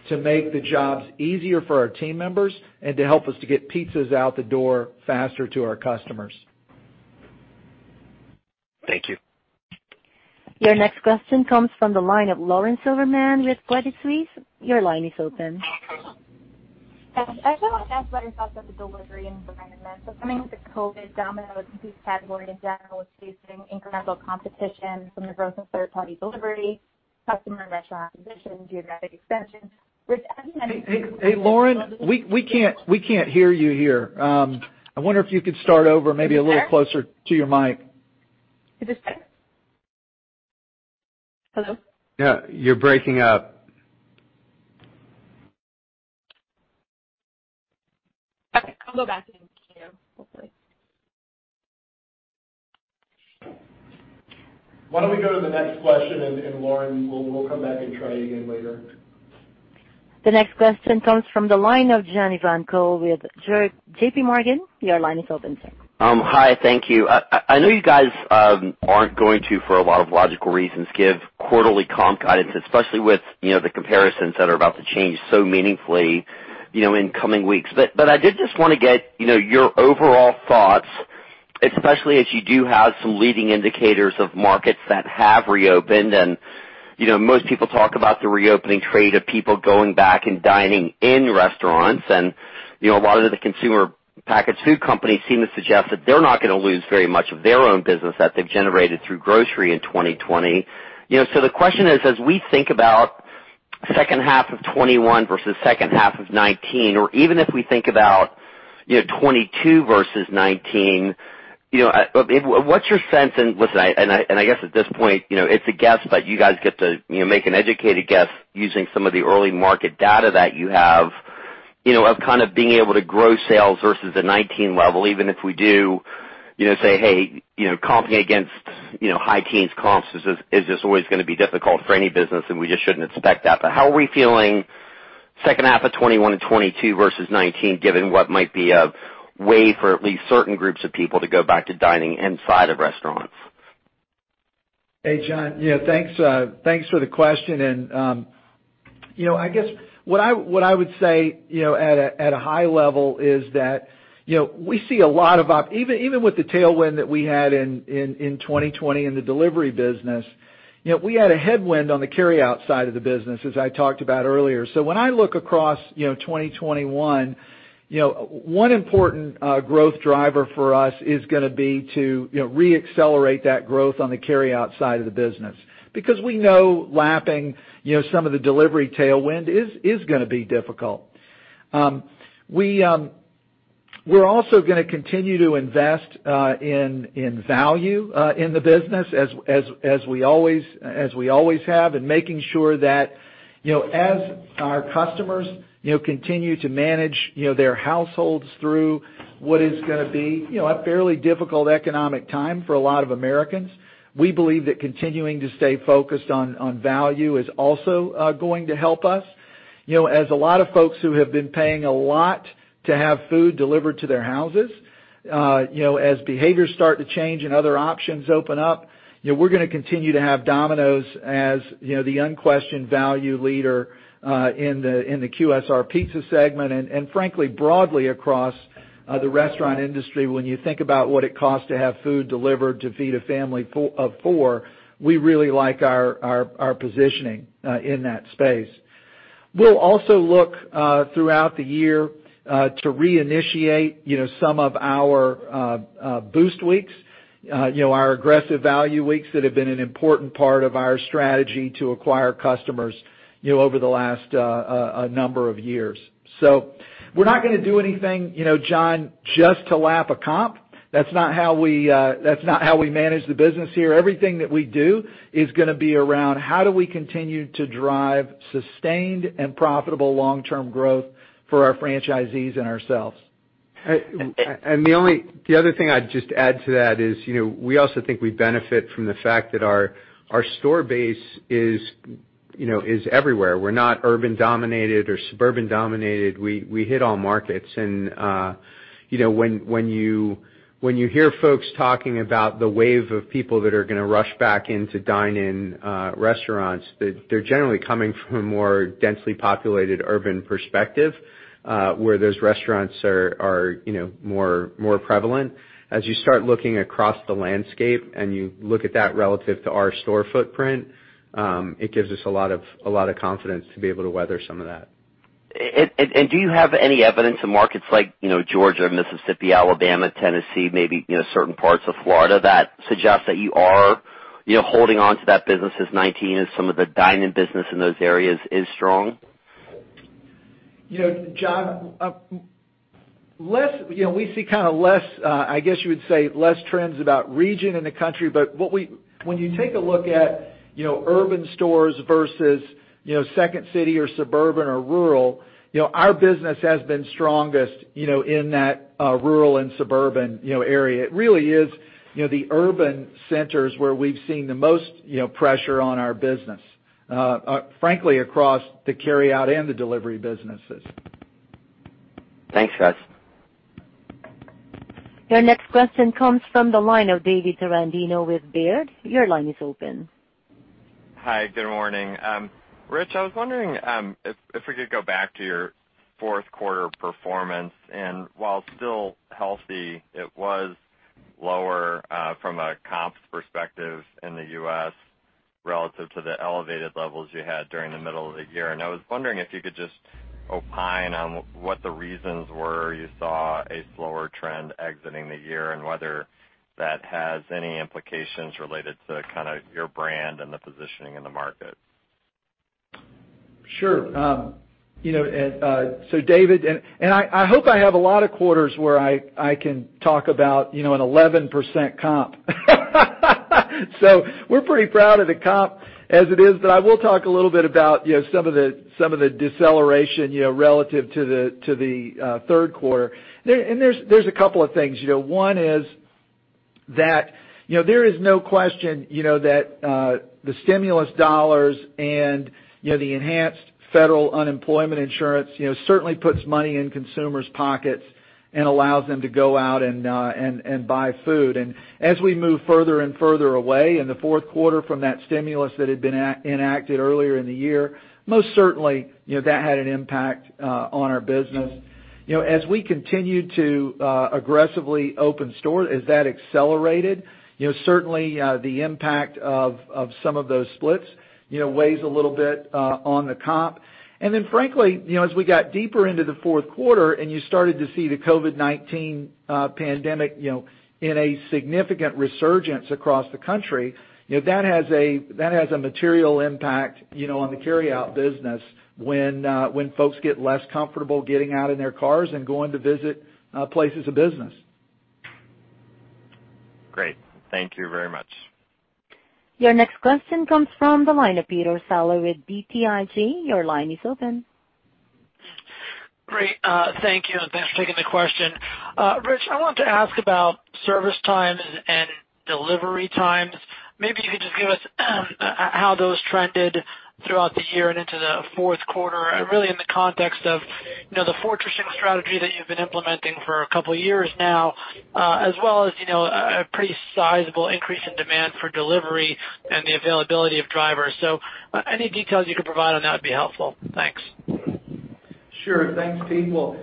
to make the jobs easier for our team members and to help us to get pizzas out the door faster to our customers. Thank you. Your next question comes from the line of Lauren Silberman with Credit Suisse. Your line is open. I just want to ask about your thoughts about the delivery environment. Coming out of COVID, Domino's in this category in general is facing incremental competition from the growth of third-party delivery, customer restaurant acquisition, geographic expansion. Ritch, have you- Hey, Lauren, we can't hear you here. I wonder if you could start over maybe a little closer to your mic. Is this better? Hello? Yeah, you're breaking up. Okay, I'll go back to you. Hopefully. Why don't we go to the next question. Lauren, we'll come back and try you again later. The next question comes from the line of John Ivankoe with JPMorgan. Your line is open, sir. Hi, thank you. I know you guys aren't going to, for a lot of logical reasons, give quarterly comp guidance, especially with the comparisons that are about to change so meaningfully in coming weeks. I did just want to get your overall thoughts, especially as you do have some leading indicators of markets that have reopened. Most people talk about the reopening trade of people going back and dining in restaurants. A lot of the consumer packaged food companies seem to suggest that they're not going to lose very much of their own business that they've generated through grocery in 2020. The question is, as we think about second half of 2021 versus second half of 2019, or even if we think about 2022 versus 2019, what's your sense? Listen, I guess at this point, it's a guess, but you guys get to make an educated guess using some of the early market data that you have of kind of being able to grow sales versus the 2019 level, even if we do say, "Hey, comping against high teens comps is just always going to be difficult for any business, and we just shouldn't expect that." How are we feeling second half of 2021 and 2022 versus 2019, given what might be a way for at least certain groups of people to go back to dining inside of restaurants? Hey, John. Yeah, thanks for the question. I guess what I would say at a high level is that we see a lot of op. Even with the tailwind that we had in 2020 in the delivery business, we had a headwind on the carryout side of the business, as I talked about earlier. When I look across 2021, one important growth driver for us is going to be to re-accelerate that growth on the carryout side of the business. We know lapping some of the delivery tailwind is going to be difficult. We're also going to continue to invest in value in the business as we always have, and making sure that as our customers continue to manage their households through what is going to be a fairly difficult economic time for a lot of Americans. We believe that continuing to stay focused on value is also going to help us. As a lot of folks who have been paying a lot to have food delivered to their houses, as behaviors start to change and other options open up, we're going to continue to have Domino's as the unquestioned value leader in the QSR pizza segment and frankly, broadly across the restaurant industry. When you think about what it costs to have food delivered to feed a family of four, we really like our positioning in that space. We'll also look throughout the year to reinitiate some of our boost weeks, our aggressive value weeks that have been an important part of our strategy to acquire customers over the last number of years. We're not going to do anything, John, just to lap a comp. That's not how we manage the business here. Everything that we do is going to be around how do we continue to drive sustained and profitable long-term growth for our franchisees and ourselves. The other thing I'd just add to that is, we also think we benefit from the fact that our store base is everywhere. We're not urban dominated or suburban dominated. We hit all markets. When you hear folks talking about the wave of people that are going to rush back into dine-in restaurants, they're generally coming from a more densely populated urban perspective, where those restaurants are more prevalent. As you start looking across the landscape and you look at that relative to our store footprint, it gives us a lot of confidence to be able to weather some of that. Do you have any evidence in markets like Georgia, Mississippi, Alabama, Tennessee, maybe certain parts of Florida that suggest that you are holding onto that business as 2019 as some of the dine-in business in those areas is strong? John, we see less, I guess you would say, less trends about region in the country. When you take a look at urban stores versus second city or suburban or rural, our business has been strongest in that rural and suburban area. It really is the urban centers where we've seen the most pressure on our business, frankly, across the carryout and the delivery businesses. Thanks, guys. Your next question comes from the line of David Tarantino with Baird. Your line is open. Hi, good morning. Ritch, I was wondering if we could go back to your fourth quarter performance, and while still healthy, it was lower from a comps perspective in the U.S. relative to the elevated levels you had during the middle of the year. I was wondering if you could just opine on what the reasons were you saw a slower trend exiting the year, and whether that has any implications related to your brand and the positioning in the market. Sure. David, I hope I have a lot of quarters where I can talk about an 11% comp. We're pretty proud of the comp as it is, but I will talk a little bit about some of the deceleration relative to the third quarter. There's a couple of things. One is that there is no question that the stimulus dollars and the enhanced federal unemployment insurance certainly puts money in consumers' pockets and allows them to go out and buy food. As we move further and further away in the fourth quarter from that stimulus that had been enacted earlier in the year, most certainly, that had an impact on our business. As we continued to aggressively open stores, as that accelerated, certainly the impact of some of those splits weighs a little bit on the comp. Frankly, as we got deeper into the fourth quarter and you started to see the COVID-19 pandemic in a significant resurgence across the country, that has a material impact on the carryout business when folks get less comfortable getting out in their cars and going to visit places of business. Great. Thank you very much. Your next question comes from the line of Peter Saleh with BTIG. Your line is open. Great. Thank you, thanks for taking the question. Ritch, I wanted to ask about service times and delivery times. Maybe you could just give us how those trended throughout the year and into the fourth quarter, really in the context of the fortressing strategy that you've been implementing for a couple of years now, as well as a pretty sizable increase in demand for delivery and the availability of drivers. Any details you could provide on that would be helpful. Thanks. Sure. Thanks, Pete. Well,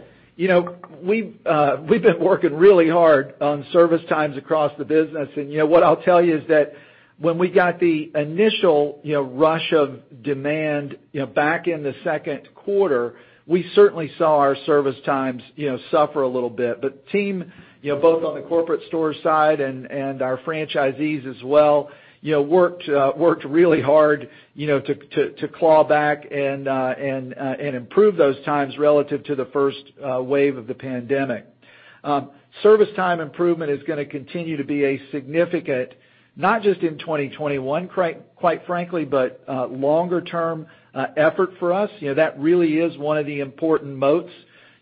we've been working really hard on service times across the business, and what I'll tell you is that when we got the initial rush of demand back in the second quarter, we certainly saw our service times suffer a little bit. The team, both on the corporate store side and our franchisees as well, worked really hard to claw back and improve those times relative to the first wave of the pandemic. Service time improvement is going to continue to be a significant, not just in 2021, quite frankly, but longer-term effort for us. That really is one of the important moats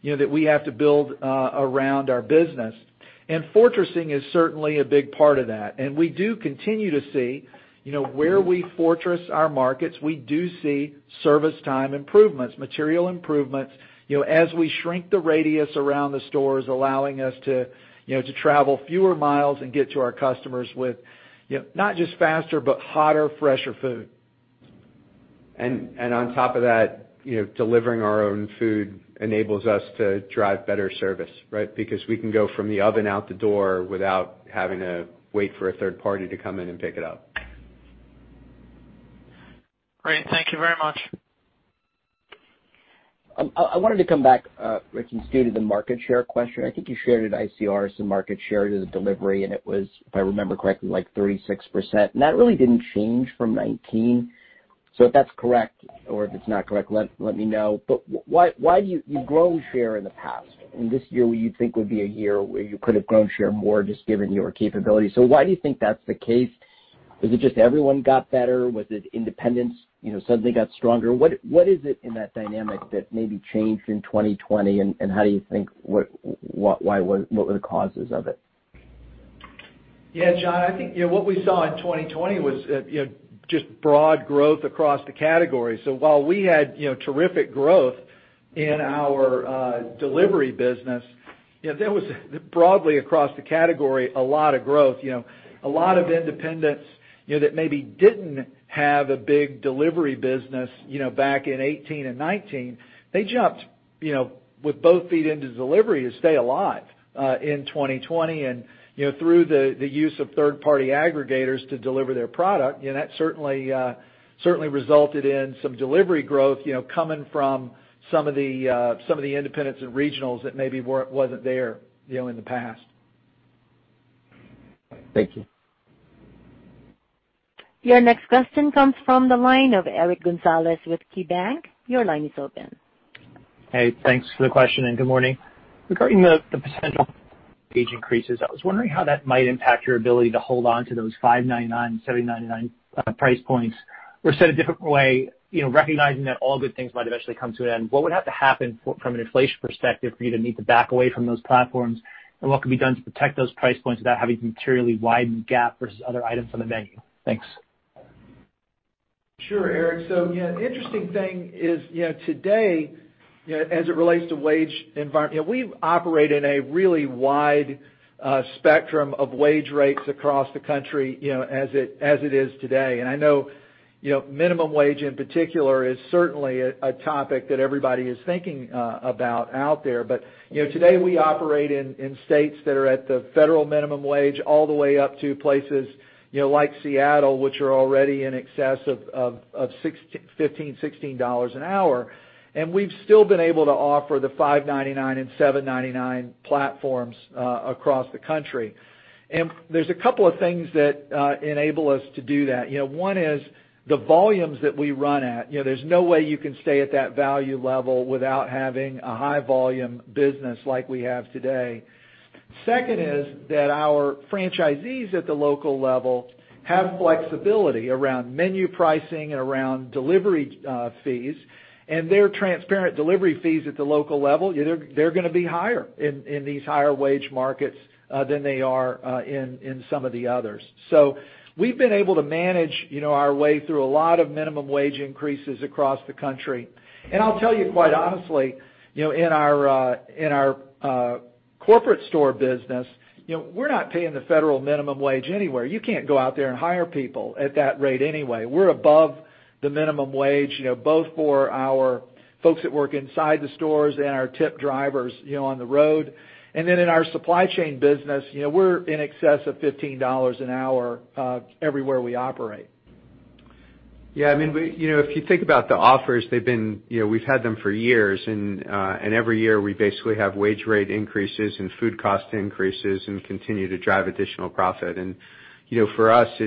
that we have to build around our business. Fortressing is certainly a big part of that. We do continue to see where we fortress our markets, we do see service time improvements, material improvements, as we shrink the radius around the stores, allowing us to travel fewer miles and get to our customers with not just faster, but hotter, fresher food. On top of that, delivering our own food enables us to drive better service, right? We can go from the oven out the door without having to wait for a third party to come in and pick it up. Great. Thank you very much. I wanted to come back, Ritch, and stay to the market share question. I think you shared at ICR some market share to the delivery, and it was, if I remember correctly, like 36%, and that really didn't change from 2019. If that's correct, or if it's not correct, let me know. You've grown share in the past, and this year you'd think would be a year where you could have grown share more just given your capabilities. Why do you think that's the case? Is it just everyone got better? Was it independents suddenly got stronger? What is it in that dynamic that maybe changed in 2020, and how do you think, what were the causes of it? Yeah, John, I think what we saw in 2020 was just broad growth across the category. While we had terrific growth in our delivery business, there was broadly across the category, a lot of growth. A lot of independents that maybe didn't have a big delivery business back in 2018 and 2019, they jumped with both feet into delivery to stay alive in 2020. Through the use of third-party aggregators to deliver their product, that certainly resulted in some delivery growth coming from some of the independents and regionals that maybe wasn't there in the past. Thank you. Your next question comes from the line of Eric Gonzalez with KeyBanc. Your line is open. Hey, thanks for the question, and good morning. Regarding the potential wage increases, I was wondering how that might impact your ability to hold on to those $5.99, $7.99 price points, or said a different way, recognizing that all good things might eventually come to an end. What would have to happen from an inflation perspective for you to need to back away from those platforms? What could be done to protect those price points without having to materially widen the gap versus other items on the menu? Thanks. Sure, Eric. Yeah, interesting thing is today, as it relates to wage environment, we operate in a really wide spectrum of wage rates across the country, as it is today. I know minimum wage in particular is certainly a topic that everybody is thinking about out there. Today we operate in states that are at the federal minimum wage all the way up to places like Seattle, which are already in excess of $15, $16 an hour. We've still been able to offer the $5.99 and $7.99 platforms across the country. There's a couple of things that enable us to do that. One is the volumes that we run at. There's no way you can stay at that value level without having a high volume business like we have today. Second is that our franchisees at the local level have flexibility around menu pricing and around delivery fees, and their transparent delivery fees at the local level, they're going to be higher in these higher wage markets than they are in some of the others. We've been able to manage our way through a lot of minimum wage increases across the country. I'll tell you quite honestly, in our corporate store business, we're not paying the federal minimum wage anywhere. You can't go out there and hire people at that rate anyway. We're above the minimum wage, both for our folks that work inside the stores and our tipped drivers on the road. Then in our Supply Chain business, we're in excess of $15 an hour everywhere we operate. Yeah, if you think about the offers, we've had them for years. Every year we basically have wage rate increases and food cost increases and continue to drive additional profit. For us,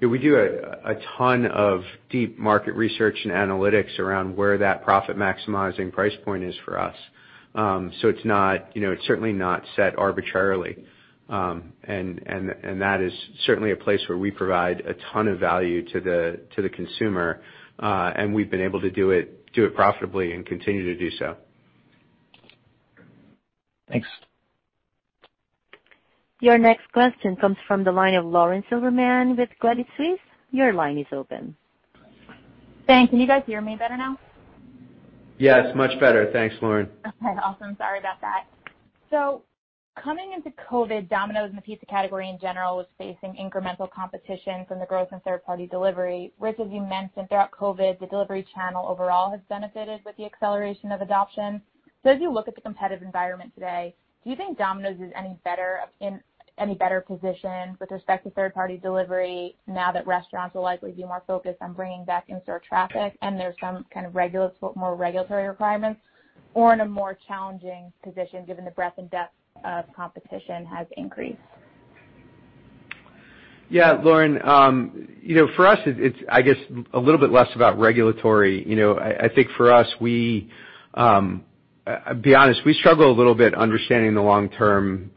we do a ton of deep market research and analytics around where that profit-maximizing price point is for us. It's certainly not set arbitrarily. That is certainly a place where we provide a ton of value to the consumer. We've been able to do it profitably and continue to do so. Thanks. Your next question comes from the line of Lauren Silberman with Credit Suisse. Your line is open. Thanks. Can you guys hear me better now? Yes, much better. Thanks, Lauren. Okay, awesome. Sorry about that. Coming into COVID, Domino's and the pizza category in general was facing incremental competition from the growth in third-party delivery. Ritch, as you mentioned, throughout COVID, the delivery channel overall has benefited with the acceleration of adoption. As you look at the competitive environment today, do you think Domino's is in any better position with respect to third-party delivery now that restaurants will likely be more focused on bringing back in-store traffic and there's some kind of more regulatory requirements, or in a more challenging position given the breadth and depth of competition has increased? Yeah. Lauren, for us, it's, I guess, a little bit less about regulatory. I think for us, to be honest, we struggle a little bit understanding the long-term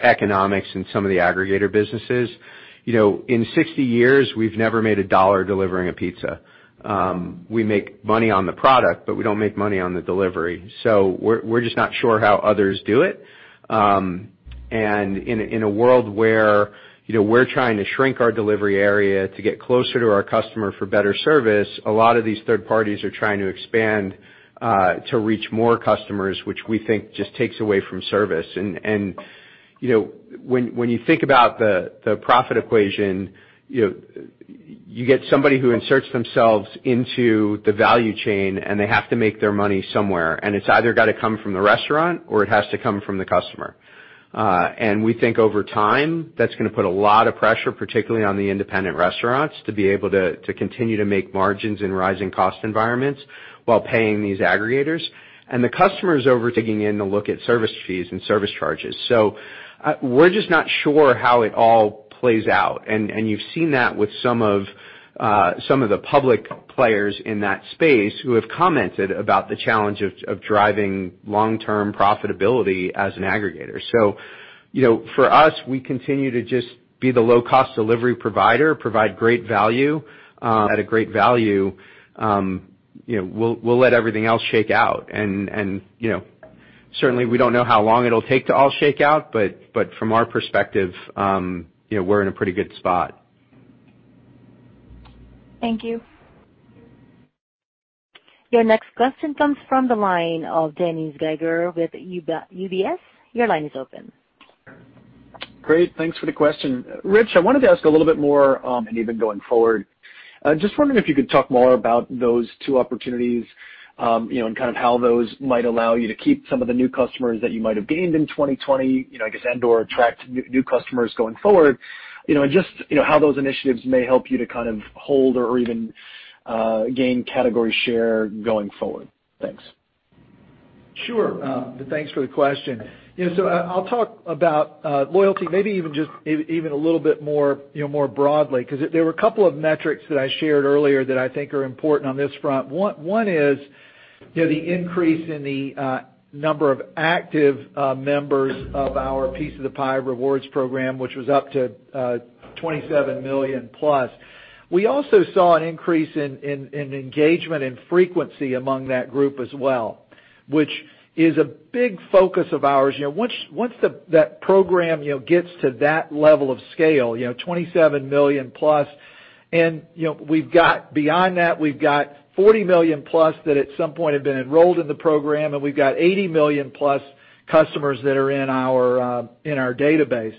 economics in some of the aggregator businesses. In 60 years, we've never made a dollar delivering a pizza. We make money on the product, we don't make money on the delivery. We're just not sure how others do it. In a world where we're trying to shrink our delivery area to get closer to our customer for better service, a lot of these third parties are trying to expand to reach more customers, which we think just takes away from service. When you think about the profit equation, you get somebody who inserts themselves into the value chain, and they have to make their money somewhere, and it's either got to come from the restaurant, or it has to come from the customer. We think over time, that's going to put a lot of pressure, particularly on the independent restaurants, to be able to continue to make margins in rising cost environments while paying these aggregators. The customer's over taking in the look at service fees and service charges. We're just not sure how it all plays out, and you've seen that with some of the public players in that space who have commented about the challenge of driving long-term profitability as an aggregator. For us, we continue to just be the low-cost delivery provider, provide great value at a great value. We'll let everything else shake out, and certainly we don't know how long it'll take to all shake out, but from our perspective, we're in a pretty good spot. Thank you. Your next question comes from the line of Dennis Geiger with UBS. Your line is open. Great. Thanks for the question. Ritch, I wanted to ask a little bit more, and even going forward, just wondering if you could talk more about those two opportunities, and kind of how those might allow you to keep some of the new customers that you might have gained in 2020, I guess, and/or attract new customers going forward. Just how those initiatives may help you to kind of hold or even gain category share going forward. Thanks. Sure. Thanks for the question. I'll talk about loyalty, maybe even a little bit more broadly, because there were a couple of metrics that I shared earlier that I think are important on this front. One is the increase in the number of active members of our Piece of the Pie rewards program, which was up to 27 million plus. We also saw an increase in engagement and frequency among that group as well, which is a big focus of ours. Once that program gets to that level of scale, 27 million plus, and beyond that, we've got 40 million plus that at some point have been enrolled in the program, and we've got 80 million plus customers that are in our database.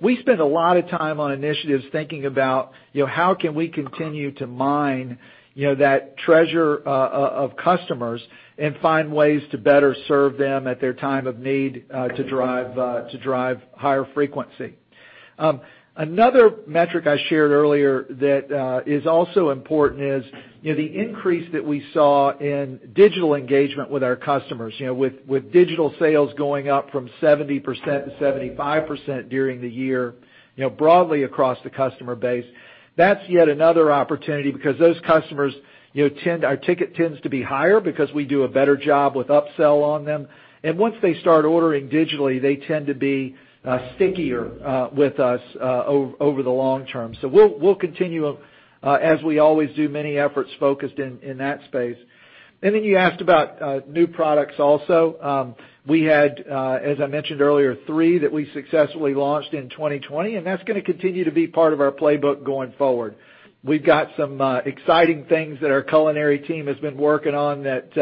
We spend a lot of time on initiatives thinking about how can we continue to mine that treasure of customers and find ways to better serve them at their time of need to drive higher frequency. Another metric I shared earlier that is also important is the increase that we saw in digital engagement with our customers. With digital sales going up from 70% to 75% during the year, broadly across the customer base. That's yet another opportunity because those customers, our ticket tends to be higher because we do a better job with upsell on them. Once they start ordering digitally, they tend to be stickier with us over the long term. We'll continue, as we always do, many efforts focused in that space. You asked about new products also. We had, as I mentioned earlier, three that we successfully launched in 2020. That's going to continue to be part of our playbook going forward. We've got some exciting things that our culinary team has been working on that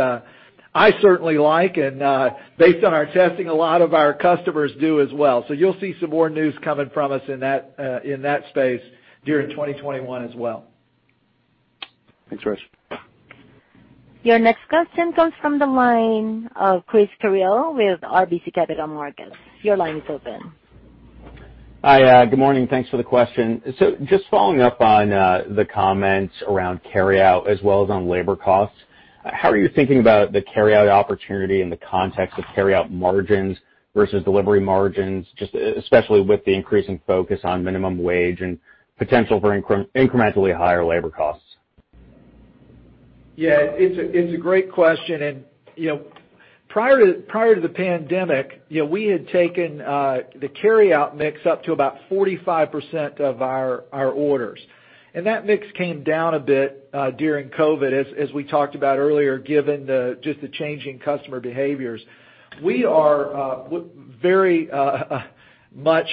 I certainly like. Based on our testing, a lot of our customers do as well. You'll see some more news coming from us in that space during 2021 as well. Thanks, Ritch. Your next question comes from the line of Chris Carril with RBC Capital Markets. Your line is open. Hi, good morning. Thanks for the question. Just following up on the comments around carryout as well as on labor costs, how are you thinking about the carryout opportunity in the context of carryout margins versus delivery margins, just especially with the increasing focus on minimum wage and potential for incrementally higher labor costs? Yeah, it's a great question. Prior to the pandemic, we had taken the carryout mix up to about 45% of our orders. That mix came down a bit during COVID, as we talked about earlier, given just the changing customer behaviors. We are very much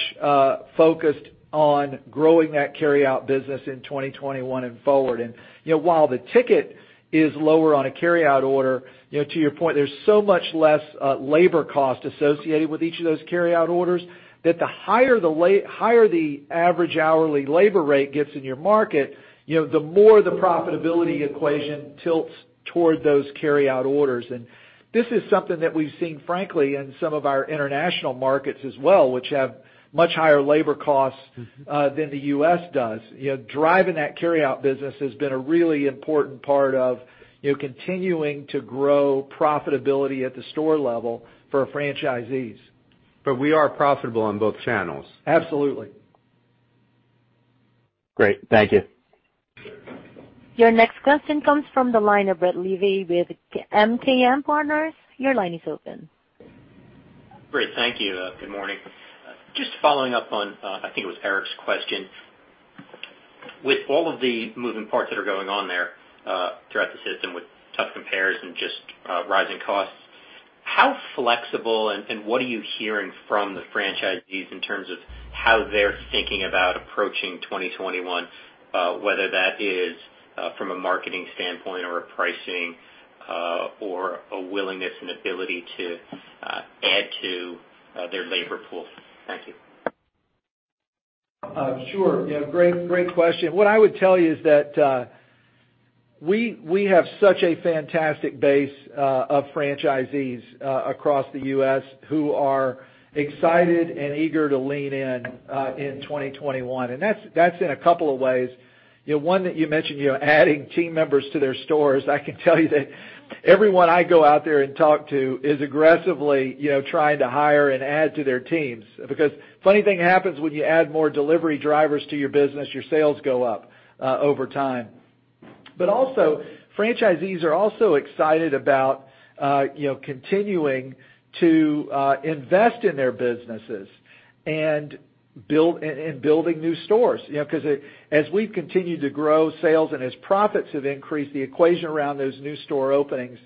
focused on growing that carryout business in 2021 and forward. While the ticket is lower on a carryout order, to your point, there's so much less labor cost associated with each of those carryout orders that the higher the average hourly labor rate gets in your market, the more the profitability equation tilts toward those carryout orders. This is something that we've seen, frankly, in some of our international markets as well, which have much higher labor costs than the U.S. does. Driving that carryout business has been a really important part of continuing to grow profitability at the store level for franchisees. We are profitable on both channels. Absolutely. Great. Thank you. Your next question comes from the line of Brett Levy with MKM Partners. Great. Thank you. Good morning. Just following up on, I think it was Eric's question. With all of the moving parts that are going on there throughout the system with tough compares and just rising costs, how flexible and what are you hearing from the franchisees in terms of how they're thinking about approaching 2021, whether that is from a marketing standpoint or a pricing, or a willingness and ability to add to their labor pool? Thank you. Sure. Yeah, great question. What I would tell you is that we have such a fantastic base of franchisees across the U.S. who are excited and eager to lean in in 2021, and that's in a couple of ways. One that you mentioned, adding team members to their stores. I can tell you that everyone I go out there and talk to is aggressively trying to hire and add to their teams. Funny thing happens when you add more delivery drivers to your business, your sales go up over time. Also, franchisees are also excited about continuing to invest in their businesses and building new stores. As we've continued to grow sales and as profits have increased, the equation around those new store openings,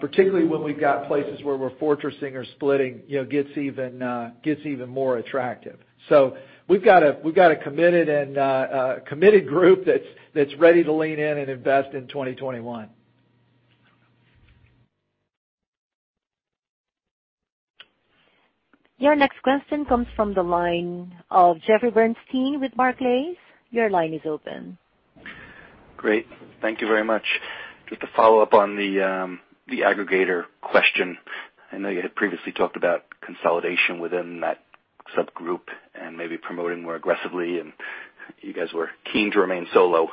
particularly when we've got places where we're fortressing or splitting, gets even more attractive. We've got a committed group that's ready to lean in and invest in 2021. Your next question comes from the line of Jeffrey Bernstein with Barclays. Your line is open. Great. Thank you very much. Just to follow up on the aggregator question. I know you had previously talked about consolidation within that subgroup and maybe promoting more aggressively, and you guys were keen to remain solo.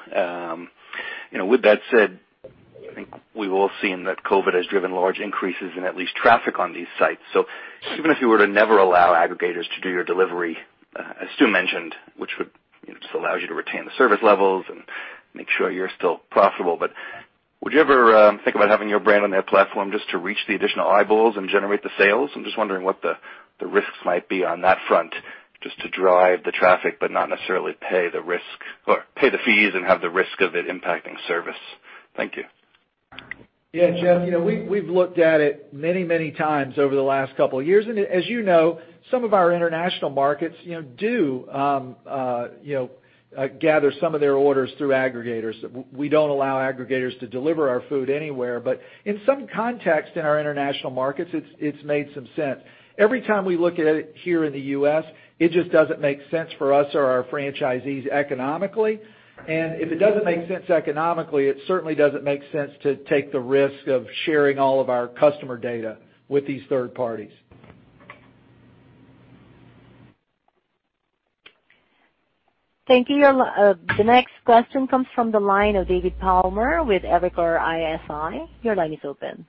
With that said, I think we've all seen that COVID has driven large increases in at least traffic on these sites. Even if you were to never allow aggregators to do your delivery, as Stu mentioned, which would just allow you to retain the service levels and make sure you're still profitable, but would you ever think about having your brand on their platform just to reach the additional eyeballs and generate the sales? I'm just wondering what the risks might be on that front, just to drive the traffic, but not necessarily pay the risk or pay the fees and have the risk of it impacting service. Thank you. Yeah, Jeff, we've looked at it many times over the last couple of years, and as you know, some of our international markets do gather some of their orders through aggregators. We don't allow aggregators to deliver our food anywhere, but in some contexts in our international markets, it's made some sense. Every time we look at it here in the U.S., it just doesn't make sense for us or our franchisees economically, and if it doesn't make sense economically, it certainly doesn't make sense to take the risk of sharing all of our customer data with these third parties. Thank you. The next question comes from the line of David Palmer with Evercore ISI. Your line is open.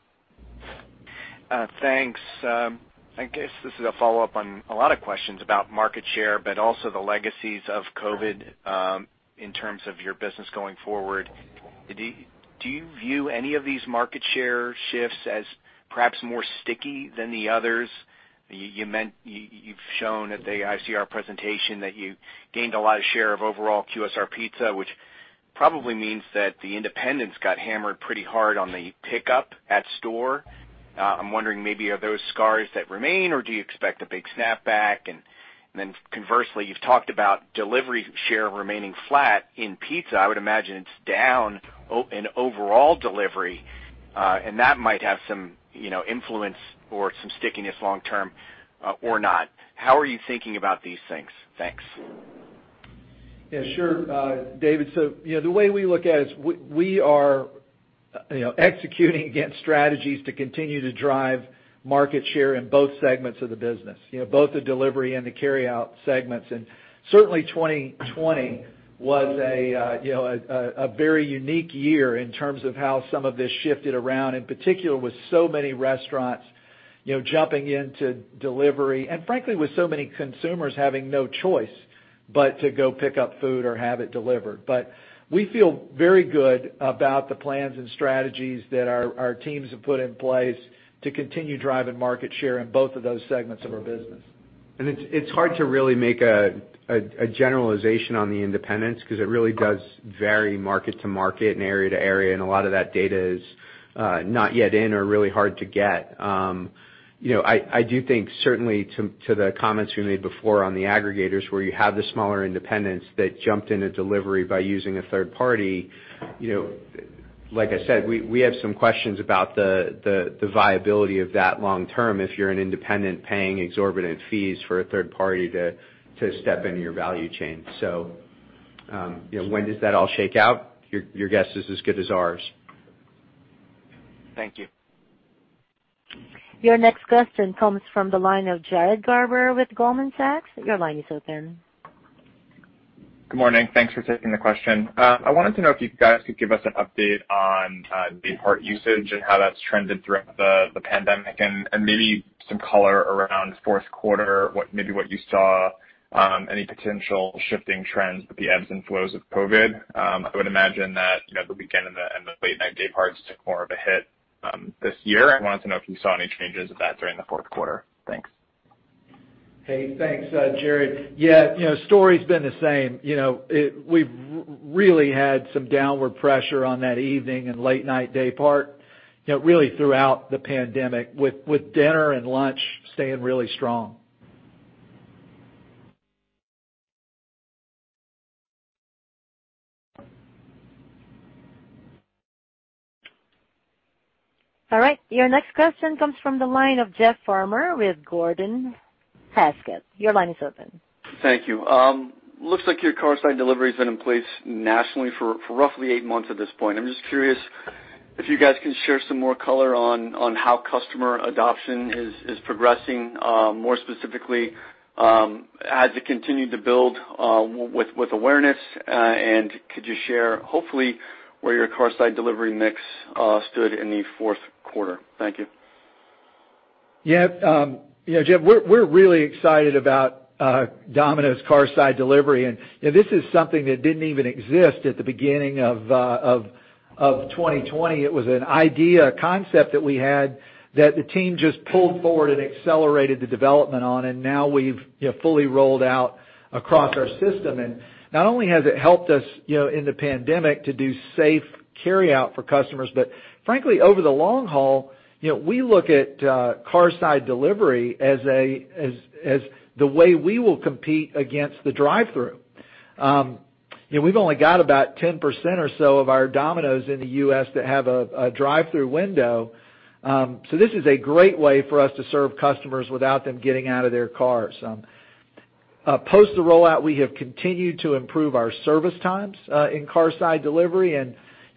Thanks. I guess this is a follow-up on a lot of questions about market share, but also the legacies of COVID, in terms of your business going forward. Do you view any of these market share shifts as perhaps more sticky than the others? You've shown at the ICR presentation that you gained a lot of share of overall QSR pizza, which probably means that the independents got hammered pretty hard on the pickup at store. I'm wondering maybe, are those scars that remain, or do you expect a big snapback? Conversely, you've talked about delivery share remaining flat in pizza. I would imagine it's down in overall delivery, that might have some influence or some stickiness long term, or not. How are you thinking about these things? Thanks. Yeah, sure David. The way we look at it is we are executing against strategies to continue to drive market share in both segments of the business, both the delivery and the carryout segments. Certainly 2020 was a very unique year in terms of how some of this shifted around, in particular with so many restaurants jumping into delivery, and frankly, with so many consumers having no choice but to go pick up food or have it delivered. We feel very good about the plans and strategies that our teams have put in place to continue driving market share in both of those segments of our business. It's hard to really make a generalization on the independents because it really does vary market to market and area to area, and a lot of that data is not yet in or really hard to get. I do think certainly to the comments we made before on the aggregators, where you have the smaller independents that jumped into delivery by using a third party. Like I said, we have some questions about the viability of that long term if you're an independent paying exorbitant fees for a third party to step into your value chain. When does that all shake out? Your guess is as good as ours. Thank you. Your next question comes from the line of Jared Garber with Goldman Sachs. Your line is open. Good morning. Thanks for taking the question. I wanted to know if you guys could give us an update on daypart usage and how that's trended throughout the pandemic, and maybe some color around fourth quarter, maybe what you saw, any potential shifting trends with the ebbs and flows of COVID. I would imagine that the weekend and the late night dayparts took more of a hit this year. I wanted to know if you saw any changes of that during the fourth quarter. Thanks. Hey, thanks, Jared. Yeah, story's been the same. We've really had some downward pressure on that evening and late night daypart really throughout the pandemic, with dinner and lunch staying really strong. All right. Your next question comes from the line of Jeff Farmer with Gordon Haskett. Your line is open. Thank you. Looks like your Carside Delivery has been in place nationally for roughly eight months at this point. I'm just curious if you guys can share some more color on how customer adoption is progressing. More specifically, has it continued to build with awareness? And could you share, hopefully, where your Carside Delivery mix stood in the fourth quarter? Thank you. Yeah. Jeff, we're really excited about Domino's Carside Delivery. This is something that didn't even exist at the beginning of 2020. It was an idea, a concept that we had that the team just pulled forward and accelerated the development on. Now we've fully rolled out across our system. Not only has it helped us in the pandemic to do safe carryout for customers, but frankly, over the long haul, we look at Carside Delivery as the way we will compete against the drive-thru. We've only got about 10% or so of our Domino's in the U.S. that have a drive-thru window. This is a great way for us to serve customers without them getting out of their cars. Post the rollout, we have continued to improve our service times in Carside Delivery.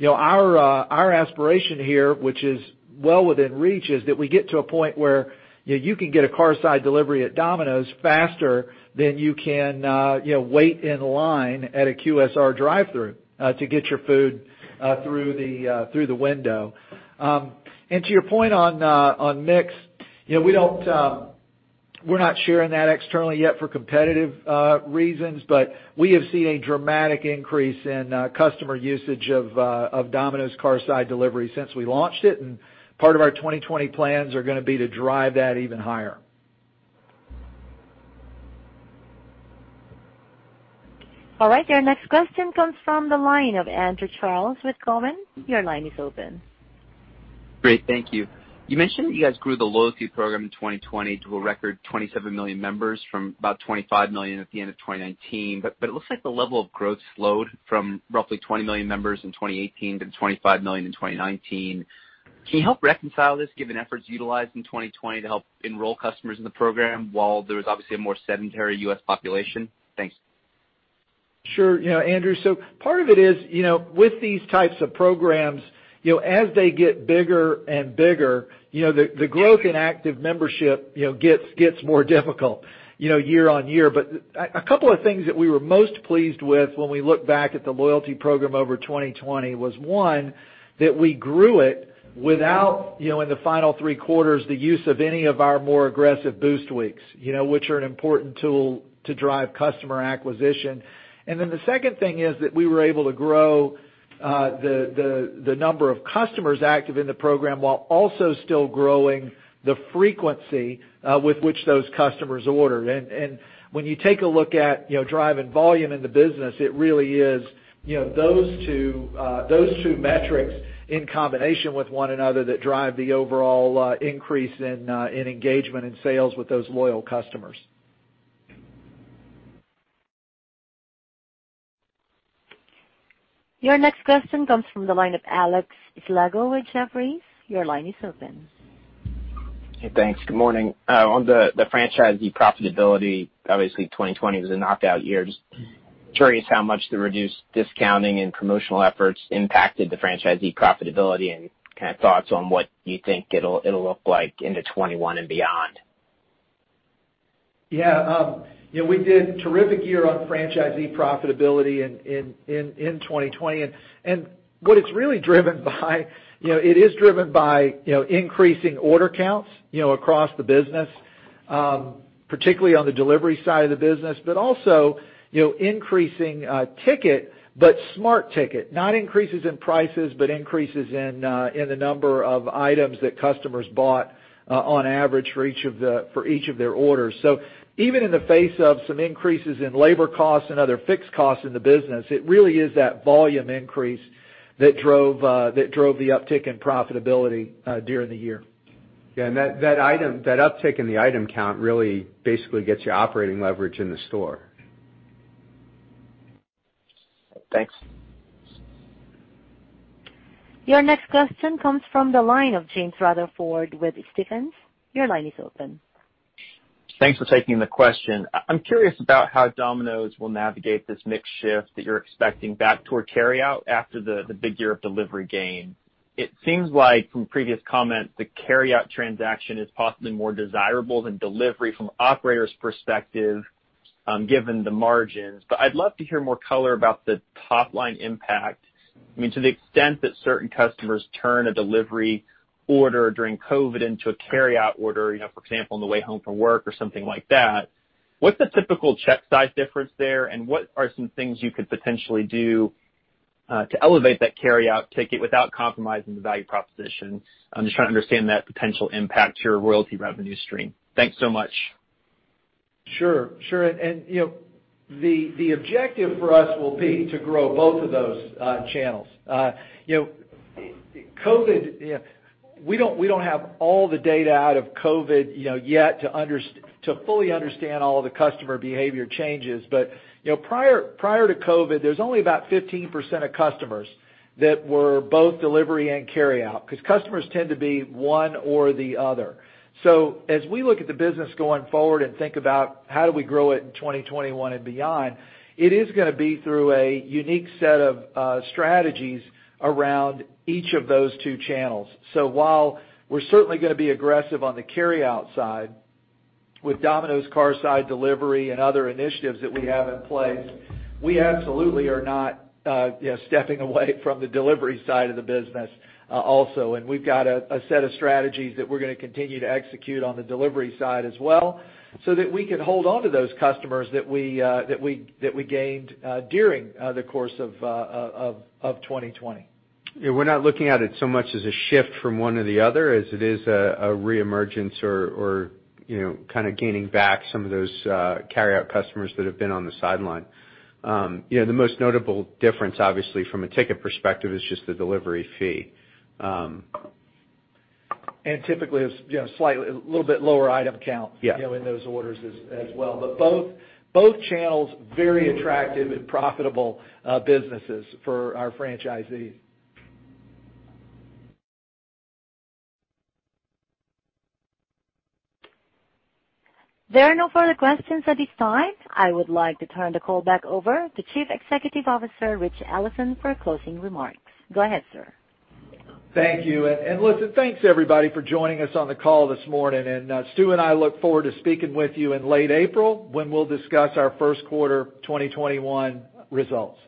Our aspiration here, which is well within reach, is that we get to a point where you can get a curbside delivery at Domino's faster than you can wait in line at a QSR drive-through to get your food through the window. To your point on mix, we're not sharing that externally yet for competitive reasons, but we have seen a dramatic increase in customer usage of Domino's Carside Delivery since we launched it. Part of our 2020 plans are going to be to drive that even higher. All right. Your next question comes from the line of Andrew Charles with Cowen. Your line is open. Great. Thank you. You mentioned that you guys grew the loyalty program in 2020 to a record 27 million members from about 25 million at the end of 2019. It looks like the level of growth slowed from roughly 20 million members in 2018 to 25 million in 2019. Can you help reconcile this, given efforts utilized in 2020 to help enroll customers in the program while there was obviously a more sedentary U.S. population? Thanks. Sure. Andrew, part of it is, with these types of programs, as they get bigger and bigger, the growth in active membership gets more difficult year-over-year. A couple of things that we were most pleased with when we look back at the loyalty program over 2020 was, one, that we grew it without, in the final three quarters, the use of any of our more aggressive boost weeks, which are an important tool to drive customer acquisition. The second thing is that we were able to grow the number of customers active in the program while also still growing the frequency with which those customers ordered. When you take a look at driving volume in the business, it really is those two metrics in combination with one another that drive the overall increase in engagement and sales with those loyal customers. Your next question comes from the line of Alex Slagle with Jefferies. Your line is open. Hey, thanks. Good morning. On the franchisee profitability, obviously 2020 was a knockout year. Just curious how much the reduced discounting and promotional efforts impacted the franchisee profitability, and thoughts on what you think it'll look like into 2021 and beyond. Yeah. We did a terrific year on franchisee profitability in 2020. What it's really driven by, it is driven by increasing order counts across the business, particularly on the delivery side of the business, but also increasing ticket, but smart ticket. Not increases in prices, but increases in the number of items that customers bought on average for each of their orders. Even in the face of some increases in labor costs and other fixed costs in the business, it really is that volume increase that drove the uptick in profitability during the year. Yeah. That uptick in the item count really basically gets you operating leverage in the store. Thanks. Your next question comes from the line of James Rutherford with Stephens. Your line is open. Thanks for taking the question. I'm curious about how Domino's will navigate this mix shift that you're expecting back toward carryout after the big year of delivery gain. It seems like from previous comments, the carryout transaction is possibly more desirable than delivery from operator's perspective given the margins. I'd love to hear more color about the top-line impact. To the extent that certain customers turn a delivery order during COVID into a carryout order, for example, on the way home from work or something like that, what's the typical check size difference there, and what are some things you could potentially do to elevate that carryout ticket without compromising the value proposition? I'm just trying to understand that potential impact to your royalty revenue stream. Thanks so much. Sure. The objective for us will be to grow both of those channels. COVID, we don't have all the data out of COVID yet to fully understand all of the customer behavior changes. Prior to COVID, there's only about 15% of customers that were both delivery and carryout, because customers tend to be one or the other. As we look at the business going forward and think about how do we grow it in 2021 and beyond, it is going to be through a unique set of strategies around each of those two channels. While we're certainly going to be aggressive on the carryout side with Domino's Carside Delivery and other initiatives that we have in place, we absolutely are not stepping away from the delivery side of the business also. We've got a set of strategies that we're going to continue to execute on the delivery side as well so that we can hold onto those customers that we gained during the course of 2020. Yeah, we're not looking at it so much as a shift from one or the other as it is a reemergence or kind of gaining back some of those carryout customers that have been on the sideline. The most notable difference, obviously, from a ticket perspective is just the delivery fee. Typically, a little bit lower item count. Yeah in those orders as well. Both channels, very attractive and profitable businesses for our franchisees. There are no further questions at this time. I would like to turn the call back over to Chief Executive Officer, Ritch Allison, for closing remarks. Go ahead, sir. Thank you. Listen, thanks, everybody, for joining us on the call this morning. Stu and I look forward to speaking with you in late April when we'll discuss our first quarter 2021 results.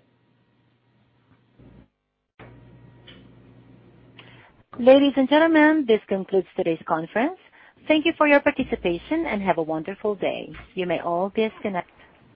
Ladies and gentlemen, this concludes today's conference. Thank you for your participation, and have a wonderful day. You may all disconnect.